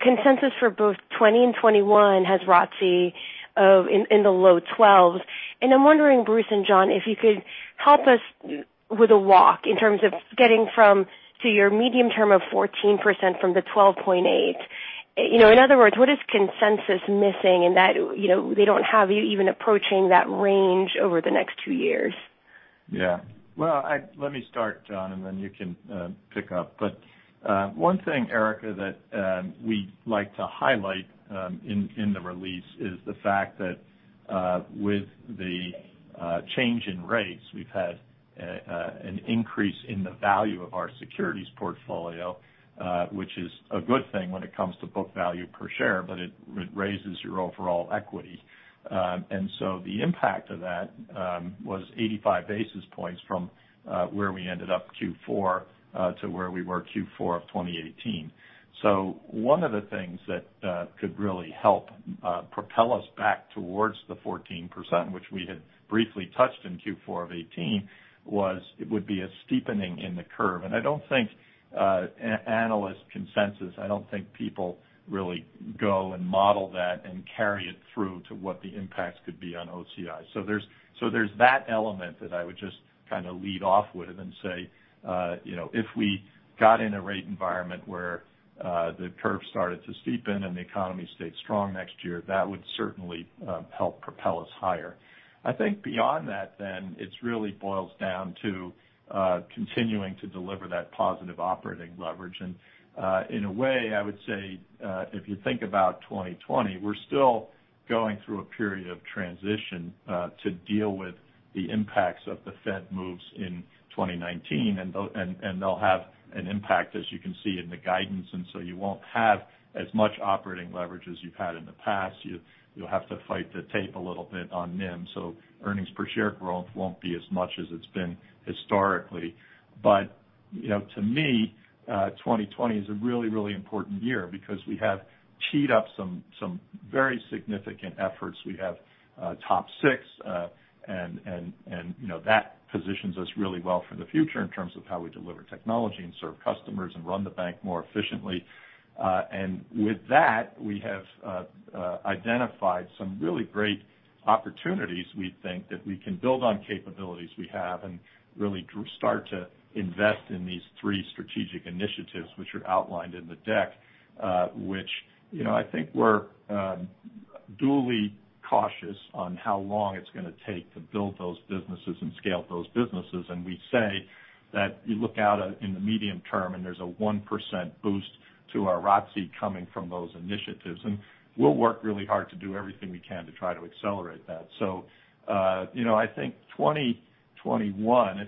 Consensus for both 2020 and 2021 has ROTCE in the low 12%. I'm wondering, Bruce and John, if you could help us with a walk in terms of getting from to your medium term of 14% from the 12.8%. In other words, what is consensus missing in that they don't have you even approaching that range over the next two years? Yeah. Well, let me start, Don, and then you can pick up. One thing, Erika, that we like to highlight in the release is the fact that with the change in rates, we've had an increase in the value of our securities portfolio, which is a good thing when it comes to book value per share, but it raises your overall equity. The impact of that was 85 basis points from where we ended up Q4 to where we were Q4 of 2018. One of the things that could really help propel us back towards the 14%, which we had briefly touched in Q4 of 2018, was it would be a steepening in the curve. I don't think analyst consensus, I don't think people really go and model that and carry it through to what the impacts could be on OCI. There's that element that I would just lead off with and say if we got in a rate environment where the curve started to steepen and the economy stayed strong next year, that would certainly help propel us higher. I think beyond that then, it really boils down to continuing to deliver that positive operating leverage. In a way, I would say if you think about 2020, we're still going through a period of transition to deal with the impacts of the Fed moves in 2019, and they'll have an impact, as you can see, in the guidance. You won't have as much operating leverage as you've had in the past. You'll have to fight the tape a little bit on NIM, so earnings per share growth won't be as much as it's been historically. To me, 2020 is a really important year because we have teed up some very significant efforts. We have TOP 6 and that positions us really well for the future in terms of how we deliver technology and serve customers and run the bank more efficiently. With that, we have identified some really great opportunities we think that we can build on capabilities we have and really start to invest in these three strategic initiatives which are outlined in the deck. Which I think we're duly cautious on how long it's going to take to build those businesses and scale those businesses. We say that you look out in the medium term and there's a 1% boost to our ROTCE coming from those initiatives. We'll work really hard to do everything we can to try to accelerate that. I think 2021,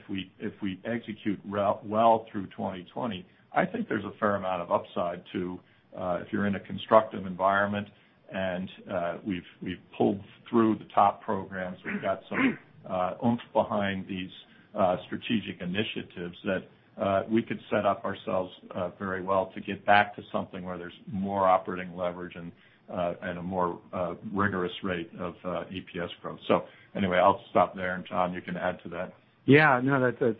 if we execute well through 2020, I think there's a fair amount of upside too. If you're in a constructive environment and we've pulled through the top programs, we've got some oomph behind these strategic initiatives that we could set up ourselves very well to get back to something where there's more operating leverage and a more rigorous rate of EPS growth. Anyway, I'll stop there, and John, you can add to that. Yeah, no, that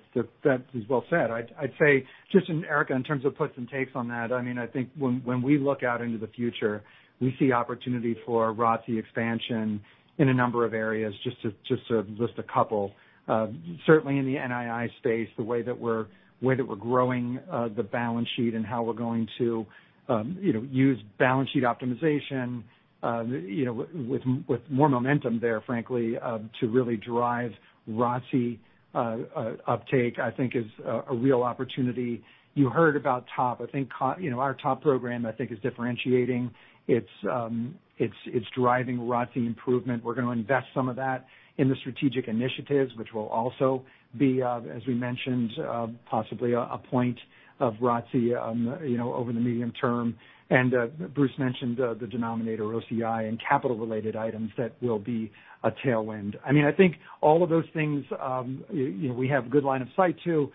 is well said. I'd say just Erika, in terms of puts and takes on that, I think when we look out into the future, we see opportunity for ROTCE expansion in a number of areas. Just to list a couple. Certainly in the NII space, the way that we're growing the balance sheet and how we're going to use balance sheet optimization with more momentum there, frankly to really drive ROTCE uptake, I think is a real opportunity. You heard about TOP. Our TOP program I think is differentiating. It's driving ROTCE improvement. We're going to invest some of that in the strategic initiatives, which will also be, as we mentioned, possibly a point of ROTCE over the medium term. Bruce mentioned the denominator OCI and capital related items that will be a tailwind. I think all of those things we have good line of sight to.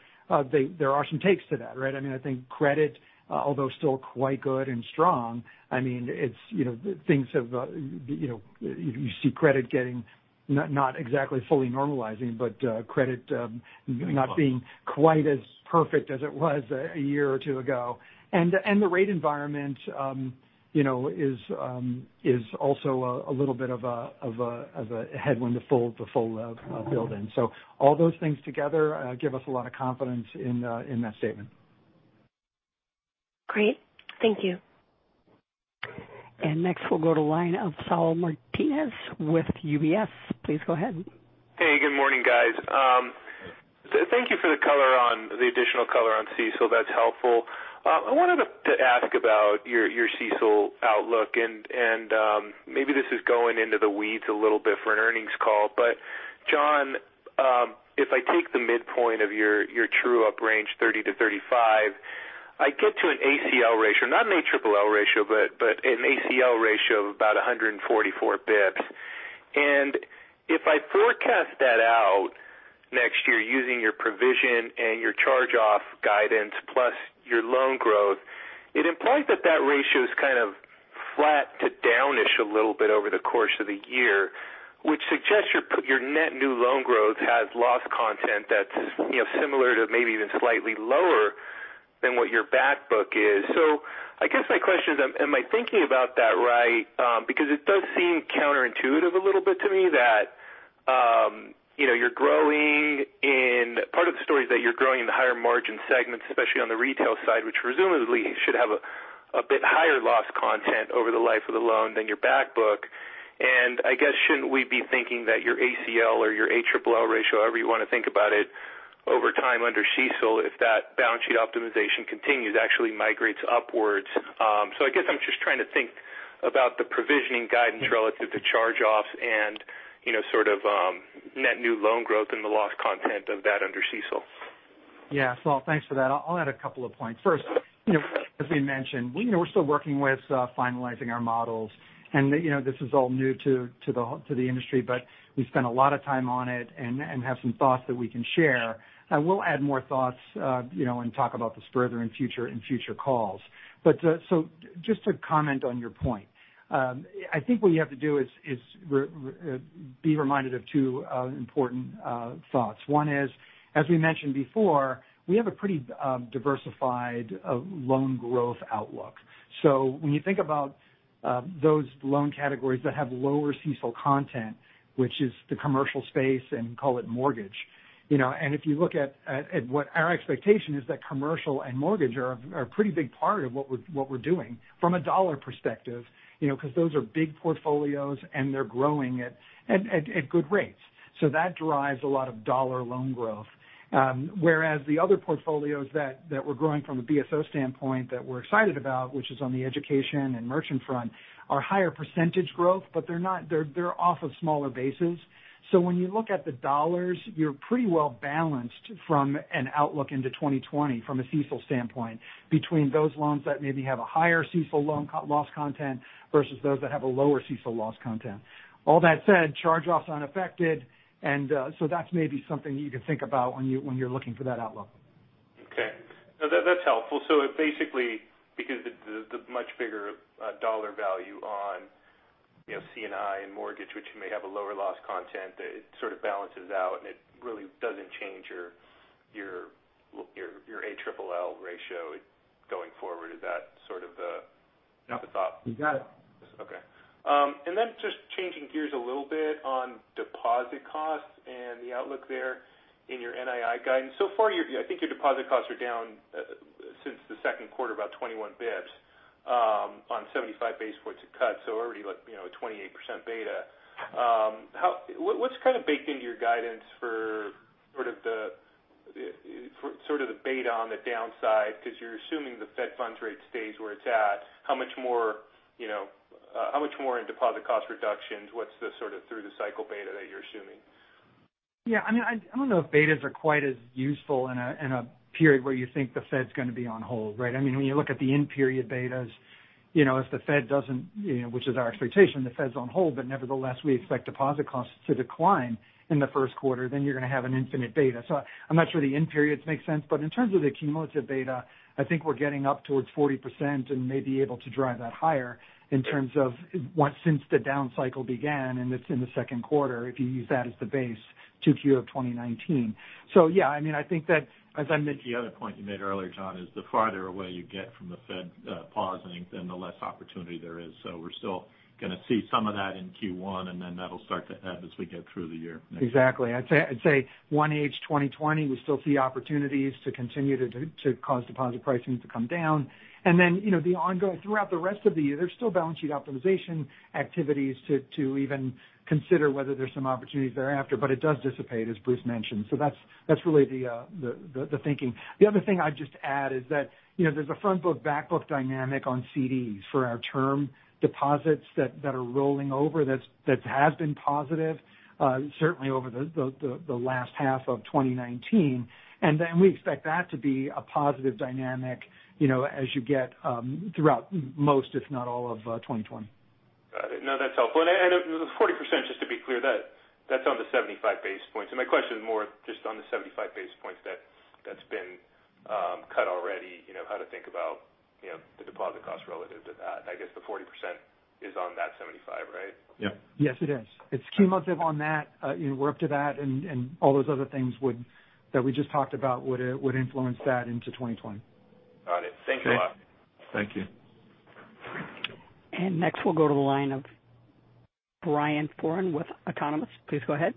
There are some takes to that, right? I think credit although still quite good and strong, you see credit getting not exactly fully normalizing but credit not being quite as perfect as it was a year or two ago. The rate environment is also a little bit of a headwind to full build in. All those things together give us a lot of confidence in that statement. Great. Thank you. Next we'll go to line of Saul Martinez with UBS. Please go ahead. Hey, good morning, guys. Thank you for the additional color on CECL. That's helpful. I wanted to ask about your CECL outlook and maybe this is going into the weeds a little bit for an earnings call. John, if I take the midpoint of your true up range 30-35, I get to an ACL ratio, not an ALLL ratio, but an ACL ratio of about 144 basis points. If I forecast that out next year using your provision and your charge-off guidance plus your loan growth, it implies that that ratio is kind of flat to downish a little bit over the course of the year, which suggests your net new loan growth has loss content that's similar to maybe even slightly lower than what your backbook is. I guess my question is, am I thinking about that right? It does seem counterintuitive a little bit to me that part of the story is that you're growing in the higher margin segments, especially on the retail side, which presumably should have a bit higher loss content over the life of the loan than your backbook. I guess shouldn't we be thinking that your ACL or your ALLL ratio, however you want to think about it, over time under CECL, if that balance sheet optimization continues, actually migrates upwards. I guess I'm just trying to think about the provisioning guidance relative to charge-offs and sort of net new loan growth and the loss content of that under CECL. Thanks for that. I'll add a couple of points. First, as we mentioned, we're still working with finalizing our models, and this is all new to the industry, but we've spent a lot of time on it and have some thoughts that we can share. We'll add more thoughts and talk about this further in future calls. Just to comment on your point, I think what you have to do is be reminded of two important thoughts. One is, as we mentioned before, we have a pretty diversified loan growth outlook. When you think about those loan categories that have lower CECL content, which is the commercial space and call it mortgage. If you look at what our expectation is that commercial and mortgage are a pretty big part of what we're doing from a dollar perspective because those are big portfolios and they're growing at good rates. That drives a lot of dollar loan growth. The other portfolios that we're growing from a BSO standpoint that we're excited about, which is on the education and merchant front, are higher % growth, but they're off of smaller bases. When you look at the dollars, you're pretty well-balanced from an outlook into 2020 from a CECL standpoint between those loans that maybe have a higher CECL loan loss content versus those that have a lower CECL loss content. All that said, charge-offs unaffected, that's maybe something you can think about when you're looking for that outlook. Okay. No, that's helpful. Basically because the much bigger dollar value on C&I and mortgage, which may have a lower loss content, it sort of balances out and it really doesn't change your ALLL ratio going forward. Is that sort of the thought? You got it. Okay. Just changing gears a little bit on deposit costs and the outlook there in your NII guidance. I think your deposit costs are down since the second quarter, about 21 basis points on 75 basis points of cuts, so already like 28% beta. What's kind of baked into your guidance for sort of the beta on the downside? You're assuming the Fed funds rate stays where it's at. How much more in deposit cost reductions? What's the sort of through-the-cycle beta that you're assuming? Yeah, I don't know if betas are quite as useful in a period where you think the Fed's going to be on hold, right? When you look at the in-period betas, if the Fed doesn't, which is our expectation, the Fed's on hold, nevertheless, we expect deposit costs to decline in the first quarter, then you're going to have an infinite beta. I'm not sure the in periods make sense, but in terms of the cumulative beta, I think we're getting up towards 40% and may be able to drive that higher in terms of since the down cycle began, and it's in the second quarter, if you use that as the base to Q of 2019. Yeah, I think that as I mentioned. The other point you made earlier, John, is the farther away you get from the Fed pausing, then the less opportunity there is. We're still going to see some of that in Q1, and then that'll start to ebb as we get through the year. Exactly. I'd say one age, 2020, we still see opportunities to continue to cause deposit pricing to come down. Throughout the rest of the year, there's still balance sheet optimization activities to even consider whether there's some opportunities thereafter. It does dissipate, as Bruce mentioned. That's really the thinking. The other thing I'd just add is that there's a front-book, back-book dynamic on CDs for our term deposits that are rolling over that has been positive certainly over the last half of 2019. We expect that to be a positive dynamic as you get throughout most, if not all of 2020. Got it. No, that's helpful. The 40%, just to be clear, that's on the 75 basis points. My question is more just on the 75 basis points that's been cut already, how to think about the deposit cost relative to that. I guess the 40% is on that 75, right? Yeah. Yes, it is. It's cumulative on that. We're up to that, and all those other things that we just talked about would influence that into 2020. Got it. Thank you a lot. Thank you. Next, we'll go to the line of Brian Foran with Autonomous Research. Please go ahead.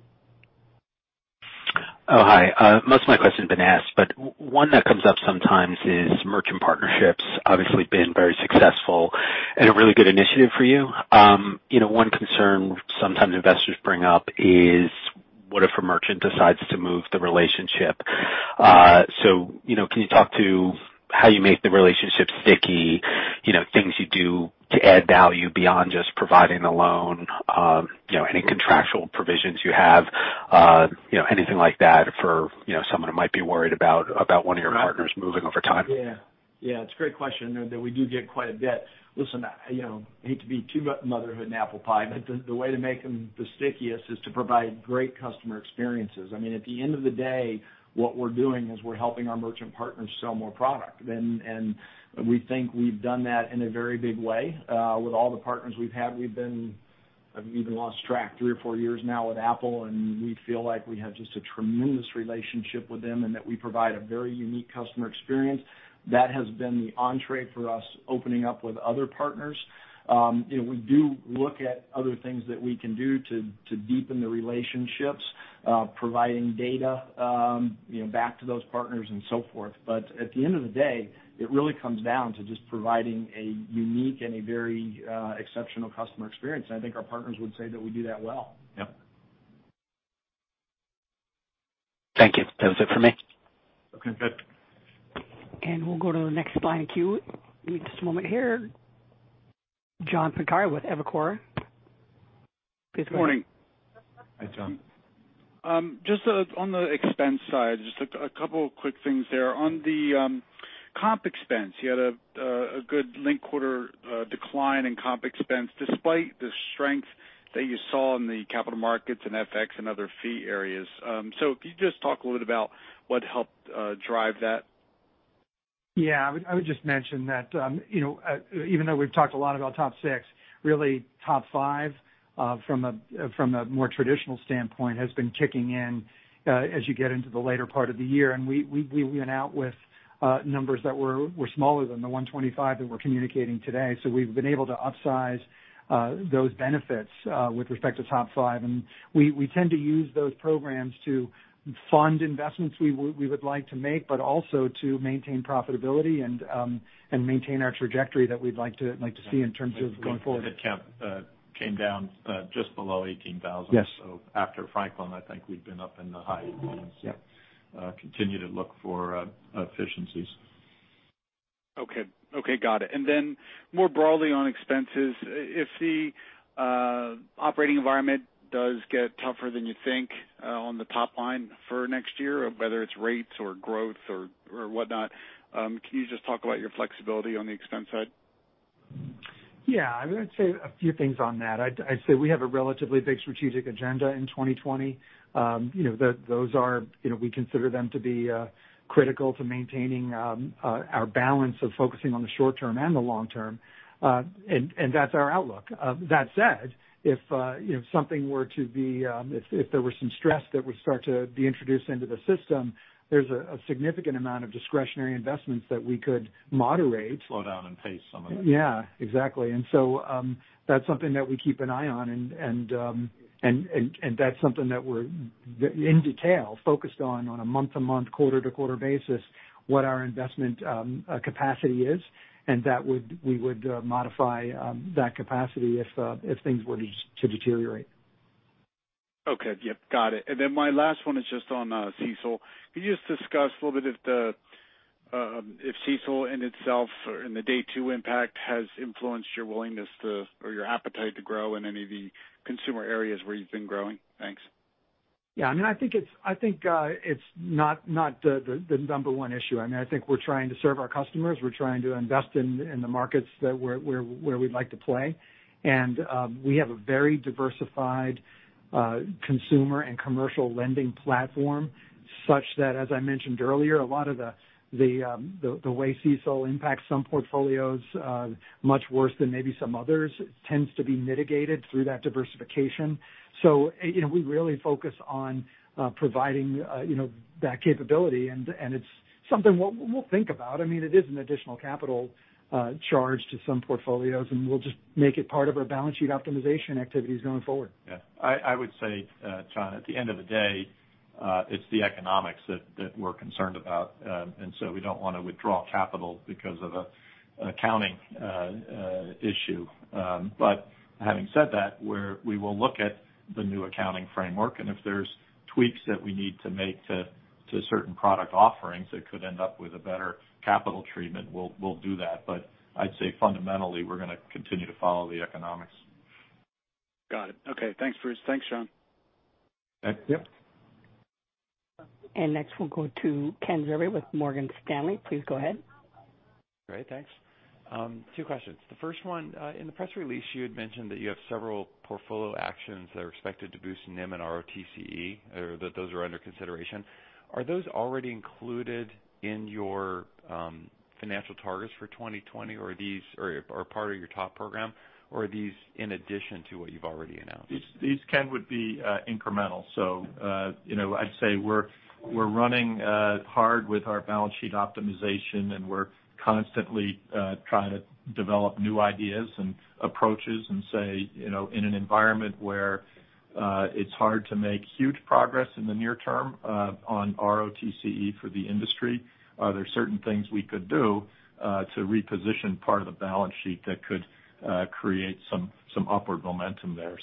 Hi. Most of my question's been asked, but one that comes up sometimes is merchant partnerships obviously been very successful and a really good initiative for you. One concern sometimes investors bring up is what if a merchant decides to move the relationship? Can you talk to how you make the relationship sticky, things you do to add value beyond just providing the loan? Any contractual provisions you have, anything like that for someone who might be worried about one of your partners moving over time? Yeah. It's a great question that we do get quite a bit. Listen, I hate to be too motherhood and apple pie, but the way to make them the stickiest is to provide great customer experiences. At the end of the day, what we're doing is we're helping our merchant partners sell more product. We think we've done that in a very big way. With all the partners we've had, we've been. I've even lost track, three or four years now with Apple, and we feel like we have just a tremendous relationship with them and that we provide a very unique customer experience. That has been the entrée for us opening up with other partners. We do look at other things that we can do to deepen the relationships, providing data back to those partners and so forth. At the end of the day, it really comes down to just providing a unique and a very exceptional customer experience. I think our partners would say that we do that well. Yep. Thank you. That was it for me. Okay, good. We'll go to the next line in queue. Just a moment here. John Pancari with Evercore. Please go ahead. Good morning. Hi, John. Just on the expense side, just a couple of quick things there. On the comp expense, you had a good linked quarter decline in comp expense despite the strength that you saw in the capital markets and FX and other fee areas. If you could just talk a little bit about what helped drive that? Yeah. I would just mention that even though we've talked a lot about TOP 6, really TOP 5 from a more traditional standpoint, has been kicking in as you get into the later part of the year. We went out with numbers that were smaller than the 125 that we're communicating today. We've been able to upsize those benefits with respect to TOP 5. We tend to use those programs to fund investments we would like to make, but also to maintain profitability and maintain our trajectory that we'd like to see in terms of going forward. The head count came down just below 18,000. Yes. After Franklin, I think we've been up in the high Yep. Continue to look for efficiencies. Okay. Got it. More broadly on expenses, if the operating environment does get tougher than you think on the top line for next year, whether it's rates or growth or whatnot, can you just talk about your flexibility on the expense side? Yeah. I would say a few things on that. I'd say we have a relatively big strategic agenda in 2020. We consider them to be critical to maintaining our balance of focusing on the short term and the long term. That's our outlook. That said, if there was some stress that would start to be introduced into the system, there's a significant amount of discretionary investments that we could moderate. Slow down and pace some of that. Yeah, exactly. That's something that we keep an eye on, and that's something that we're, in detail, focused on a month-to-month, quarter-to-quarter basis, what our investment capacity is, and we would modify that capacity if things were to deteriorate. Okay. Yep, got it. My last one is just on CECL. Could you just discuss a little bit if CECL in itself or in the Day-2 impact has influenced your willingness to, or your appetite to grow in any of the consumer areas where you've been growing? Thanks. Yeah. I think it's not the number one issue. I think we're trying to serve our customers. We're trying to invest in the markets where we'd like to play. We have a very diversified consumer and commercial lending platform such that, as I mentioned earlier, a lot of the way CECL impacts some portfolios much worse than maybe some others tends to be mitigated through that diversification. We really focus on providing that capability, and it's something we'll think about. It is an additional capital charge to some portfolios, and we'll just make it part of our balance sheet optimization activities going forward. Yeah. I would say, John, at the end of the day, it's the economics that we're concerned about. We don't want to withdraw capital because of an accounting issue. Having said that, we will look at the new accounting framework, and if there's tweaks that we need to make to certain product offerings that could end up with a better capital treatment, we'll do that. I'd say fundamentally, we're going to continue to follow the economics. Got it. Okay. Thanks, Bruce. Thanks, John. Yep. Next we'll go to Ken Zerbe with Morgan Stanley. Please go ahead. Great, thanks. Two questions. The first one, in the press release you had mentioned that you have several portfolio actions that are expected to boost NIM and ROTCE, or that those are under consideration. Are those already included in your financial targets for 2020, or are part of your top program, or are these in addition to what you've already announced? These, Ken, would be incremental. I'd say we're running hard with our balance sheet optimization, and we're constantly trying to develop new ideas and approaches and say, in an environment where it's hard to make huge progress in the near term on ROTCE for the industry, there's certain things we could do to reposition part of the balance sheet that could create some upward momentum there.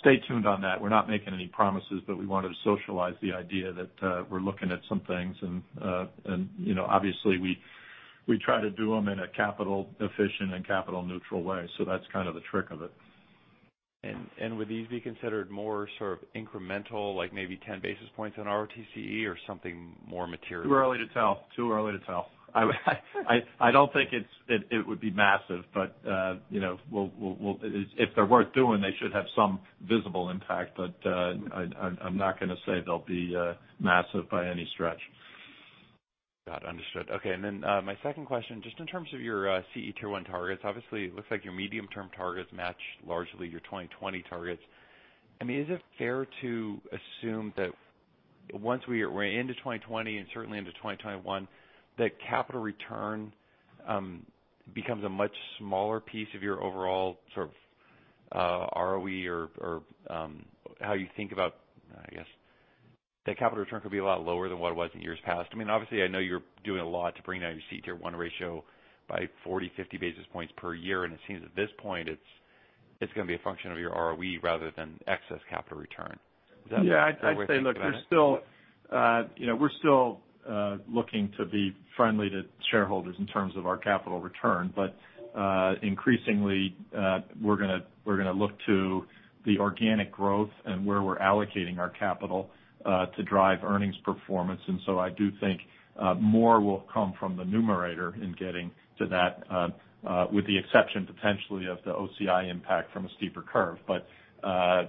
Stay tuned on that. We're not making any promises, but we wanted to socialize the idea that we're looking at some things and obviously we try to do them in a capital efficient and capital neutral way. That's kind of the trick of it. Would these be considered more sort of incremental, like maybe 10 basis points on ROTCE or something more material? Too early to tell. I don't think it would be massive, but if they're worth doing, they should have some visible impact. I'm not going to say they'll be massive by any stretch. Got it. Understood. Okay, my second question, just in terms of your CET1 targets, obviously it looks like your medium-term targets match largely your 2020 targets. Is it fair to assume that once we're into 2020 and certainly into 2021, that capital return becomes a much smaller piece of your overall ROE or how you think about, I guess, that capital return could be a lot lower than what it was in years past? Obviously, I know you're doing a lot to bring down your CET1 ratio by 40, 50 basis points per year, and it seems at this point it's going to be a function of your ROE rather than excess capital return. Yeah, I'd say. a fair way to think about it? We're still looking to be friendly to shareholders in terms of our capital return. Increasingly, we're going to look to the organic growth and where we're allocating our capital to drive earnings performance. I do think more will come from the numerator in getting to that, with the exception, potentially, of the OCI impact from a steeper curve.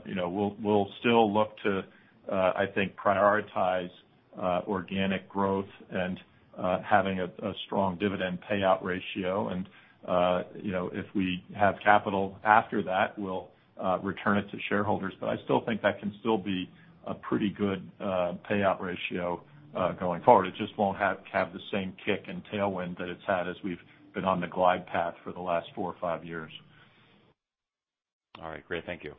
We'll still look to, I think, prioritize organic growth and having a strong dividend payout ratio. If we have capital after that, we'll return it to shareholders. I still think that can still be a pretty good payout ratio going forward. It just won't have the same kick and tailwind that it's had as we've been on the glide path for the last four or five years. All right, great. Thank you.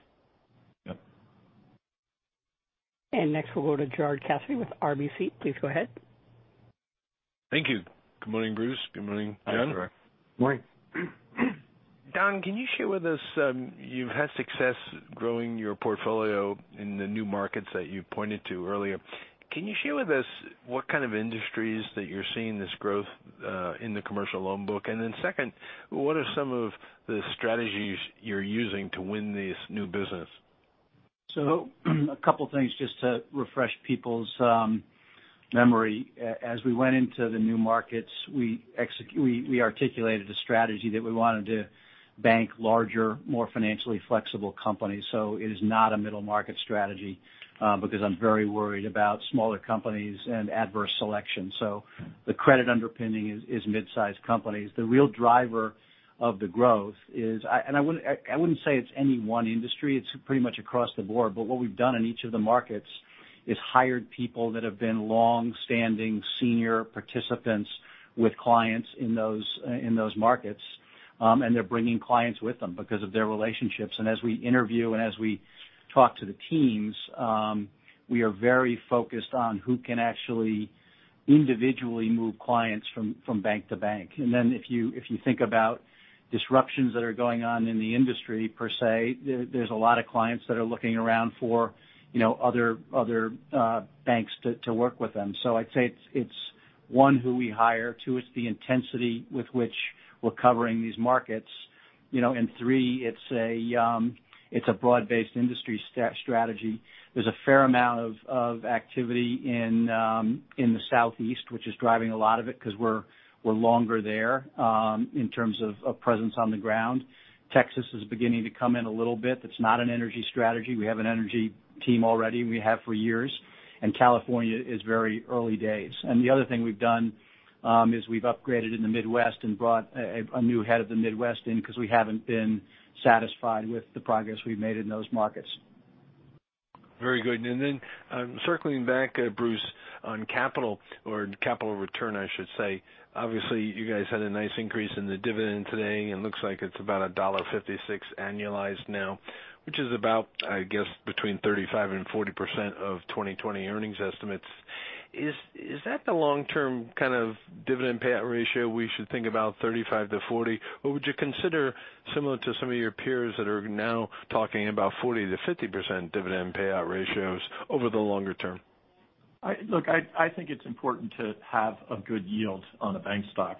Yep. Next we'll go to Gerard Cassidy with RBC. Please go ahead. Thank you. Good morning, Bruce. Good morning, John. Hi, Gerard. Morning. Don, can you share with us, you've had success growing your portfolio in the new markets that you pointed to earlier. Can you share with us what kind of industries that you're seeing this growth in the commercial loan book? Second, what are some of the strategies you're using to win this new business? A couple things just to refresh people's memory. As we went into the new markets, we articulated a strategy that we wanted to bank larger, more financially flexible companies. It is not a middle market strategy because I'm very worried about smaller companies and adverse selection. The credit underpinning is mid-size companies. The real driver of the growth, I wouldn't say it's any one industry. It's pretty much across the board. What we've done in each of the markets is hired people that have been long-standing senior participants with clients in those markets, and they're bringing clients with them because of their relationships. As we interview and as we talk to the teams, we are very focused on who can actually individually move clients from bank to bank. If you think about disruptions that are going on in the industry per se, there's a lot of clients that are looking around for other banks to work with them. I'd say it's one, who we hire. Two, it's the intensity with which we're covering these markets. Three, it's a broad-based industry strategy. There's a fair amount of activity in the Southeast, which is driving a lot of it because we're longer there in terms of presence on the ground. Texas is beginning to come in a little bit. That's not an energy strategy. We have an energy team already, and we have for years. California is very early days. The other thing we've done is we've upgraded in the Midwest and brought a new head of the Midwest in because we haven't been satisfied with the progress we've made in those markets. Very good. Then circling back, Bruce, on capital or capital return, I should say. Obviously, you guys had a nice increase in the dividend today, and looks like it's about $1.56 annualized now, which is about, I guess, between 35%-40% of 2020 earnings estimates. Is that the long-term kind of dividend payout ratio we should think about 35-40? Or would you consider similar to some of your peers that are now talking about 40%-50% dividend payout ratios over the longer term? Look, I think it's important to have a good yield on a bank stock,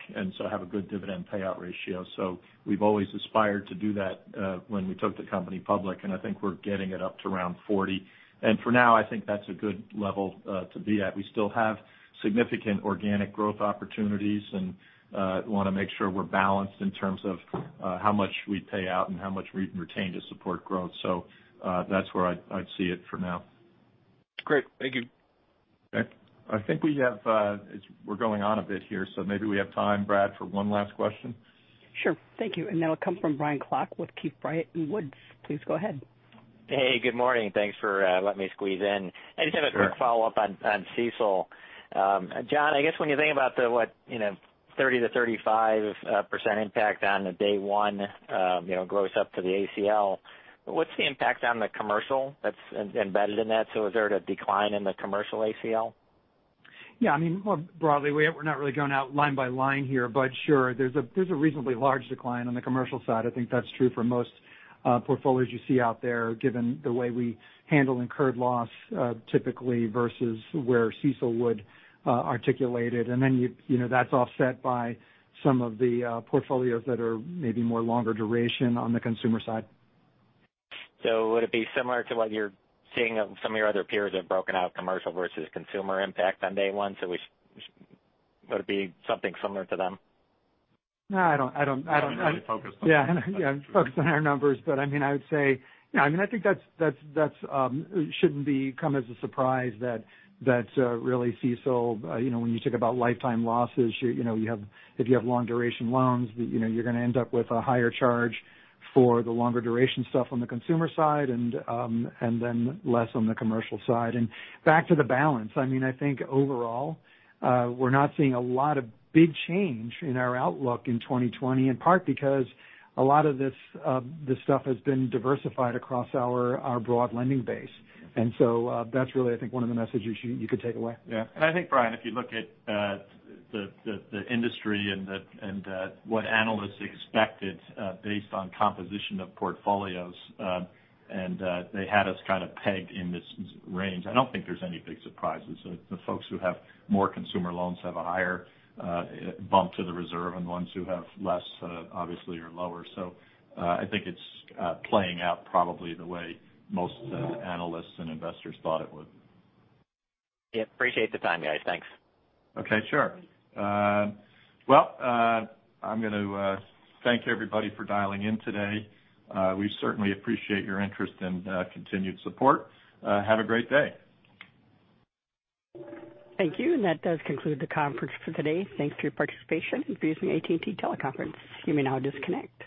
have a good dividend payout ratio. We've always aspired to do that when we took the company public, I think we're getting it up to around 40. For now, I think that's a good level to be at. We still have significant organic growth opportunities and want to make sure we're balanced in terms of how much we pay out and how much we retain to support growth. That's where I'd see it for now. Great. Thank you. Okay. I think we're going on a bit here, so maybe we have time, Brad, for one last question. Sure. Thank you. That'll come from Brian Klock with Keefe, Bruyette & Woods. Please go ahead. Hey, good morning. Thanks for letting me squeeze in. Sure. I just have a quick follow-up on CECL. John, I guess when you think about the what, 30%-35% impact on the day one gross up to the ACL, what's the impact on the commercial that's embedded in that? Is there a decline in the commercial ACL? Yeah. More broadly, we're not really going out line by line here, but sure, there's a reasonably large decline on the Commercial side. I think that's true for most portfolios you see out there, given the way we handle incurred loss typically versus where CECL would articulate it. Then that's offset by some of the portfolios that are maybe more longer duration on the Consumer side. Would it be similar to what you're seeing of some of your other peers have broken out commercial versus consumer impact on day one? Would it be something similar to them? No, I don't. We're really focused on- Yeah. Focused on our numbers, but I would say, I think that shouldn't come as a surprise that really CECL, when you think about lifetime losses, if you have long duration loans, you're going to end up with a higher charge for the longer duration stuff on the consumer side and then less on the commercial side. Back to the balance, I think overall, we're not seeing a lot of big change in our outlook in 2020, in part because a lot of this stuff has been diversified across our broad lending base. That's really, I think, one of the messages you could take away. Yeah. I think, Brian, if you look at the industry and what analysts expected based on composition of portfolios, and they had us kind of pegged in this range. I don't think there's any big surprises. The folks who have more consumer loans have a higher bump to the reserve, and the ones who have less obviously are lower. I think it's playing out probably the way most analysts and investors thought it would. Yeah. Appreciate the time, guys. Thanks. Okay, sure. Well, I'm going to thank everybody for dialing in today. We certainly appreciate your interest and continued support. Have a great day. Thank you. That does conclude the conference for today. Thanks for your participation in using AT&T Teleconference. You may now disconnect.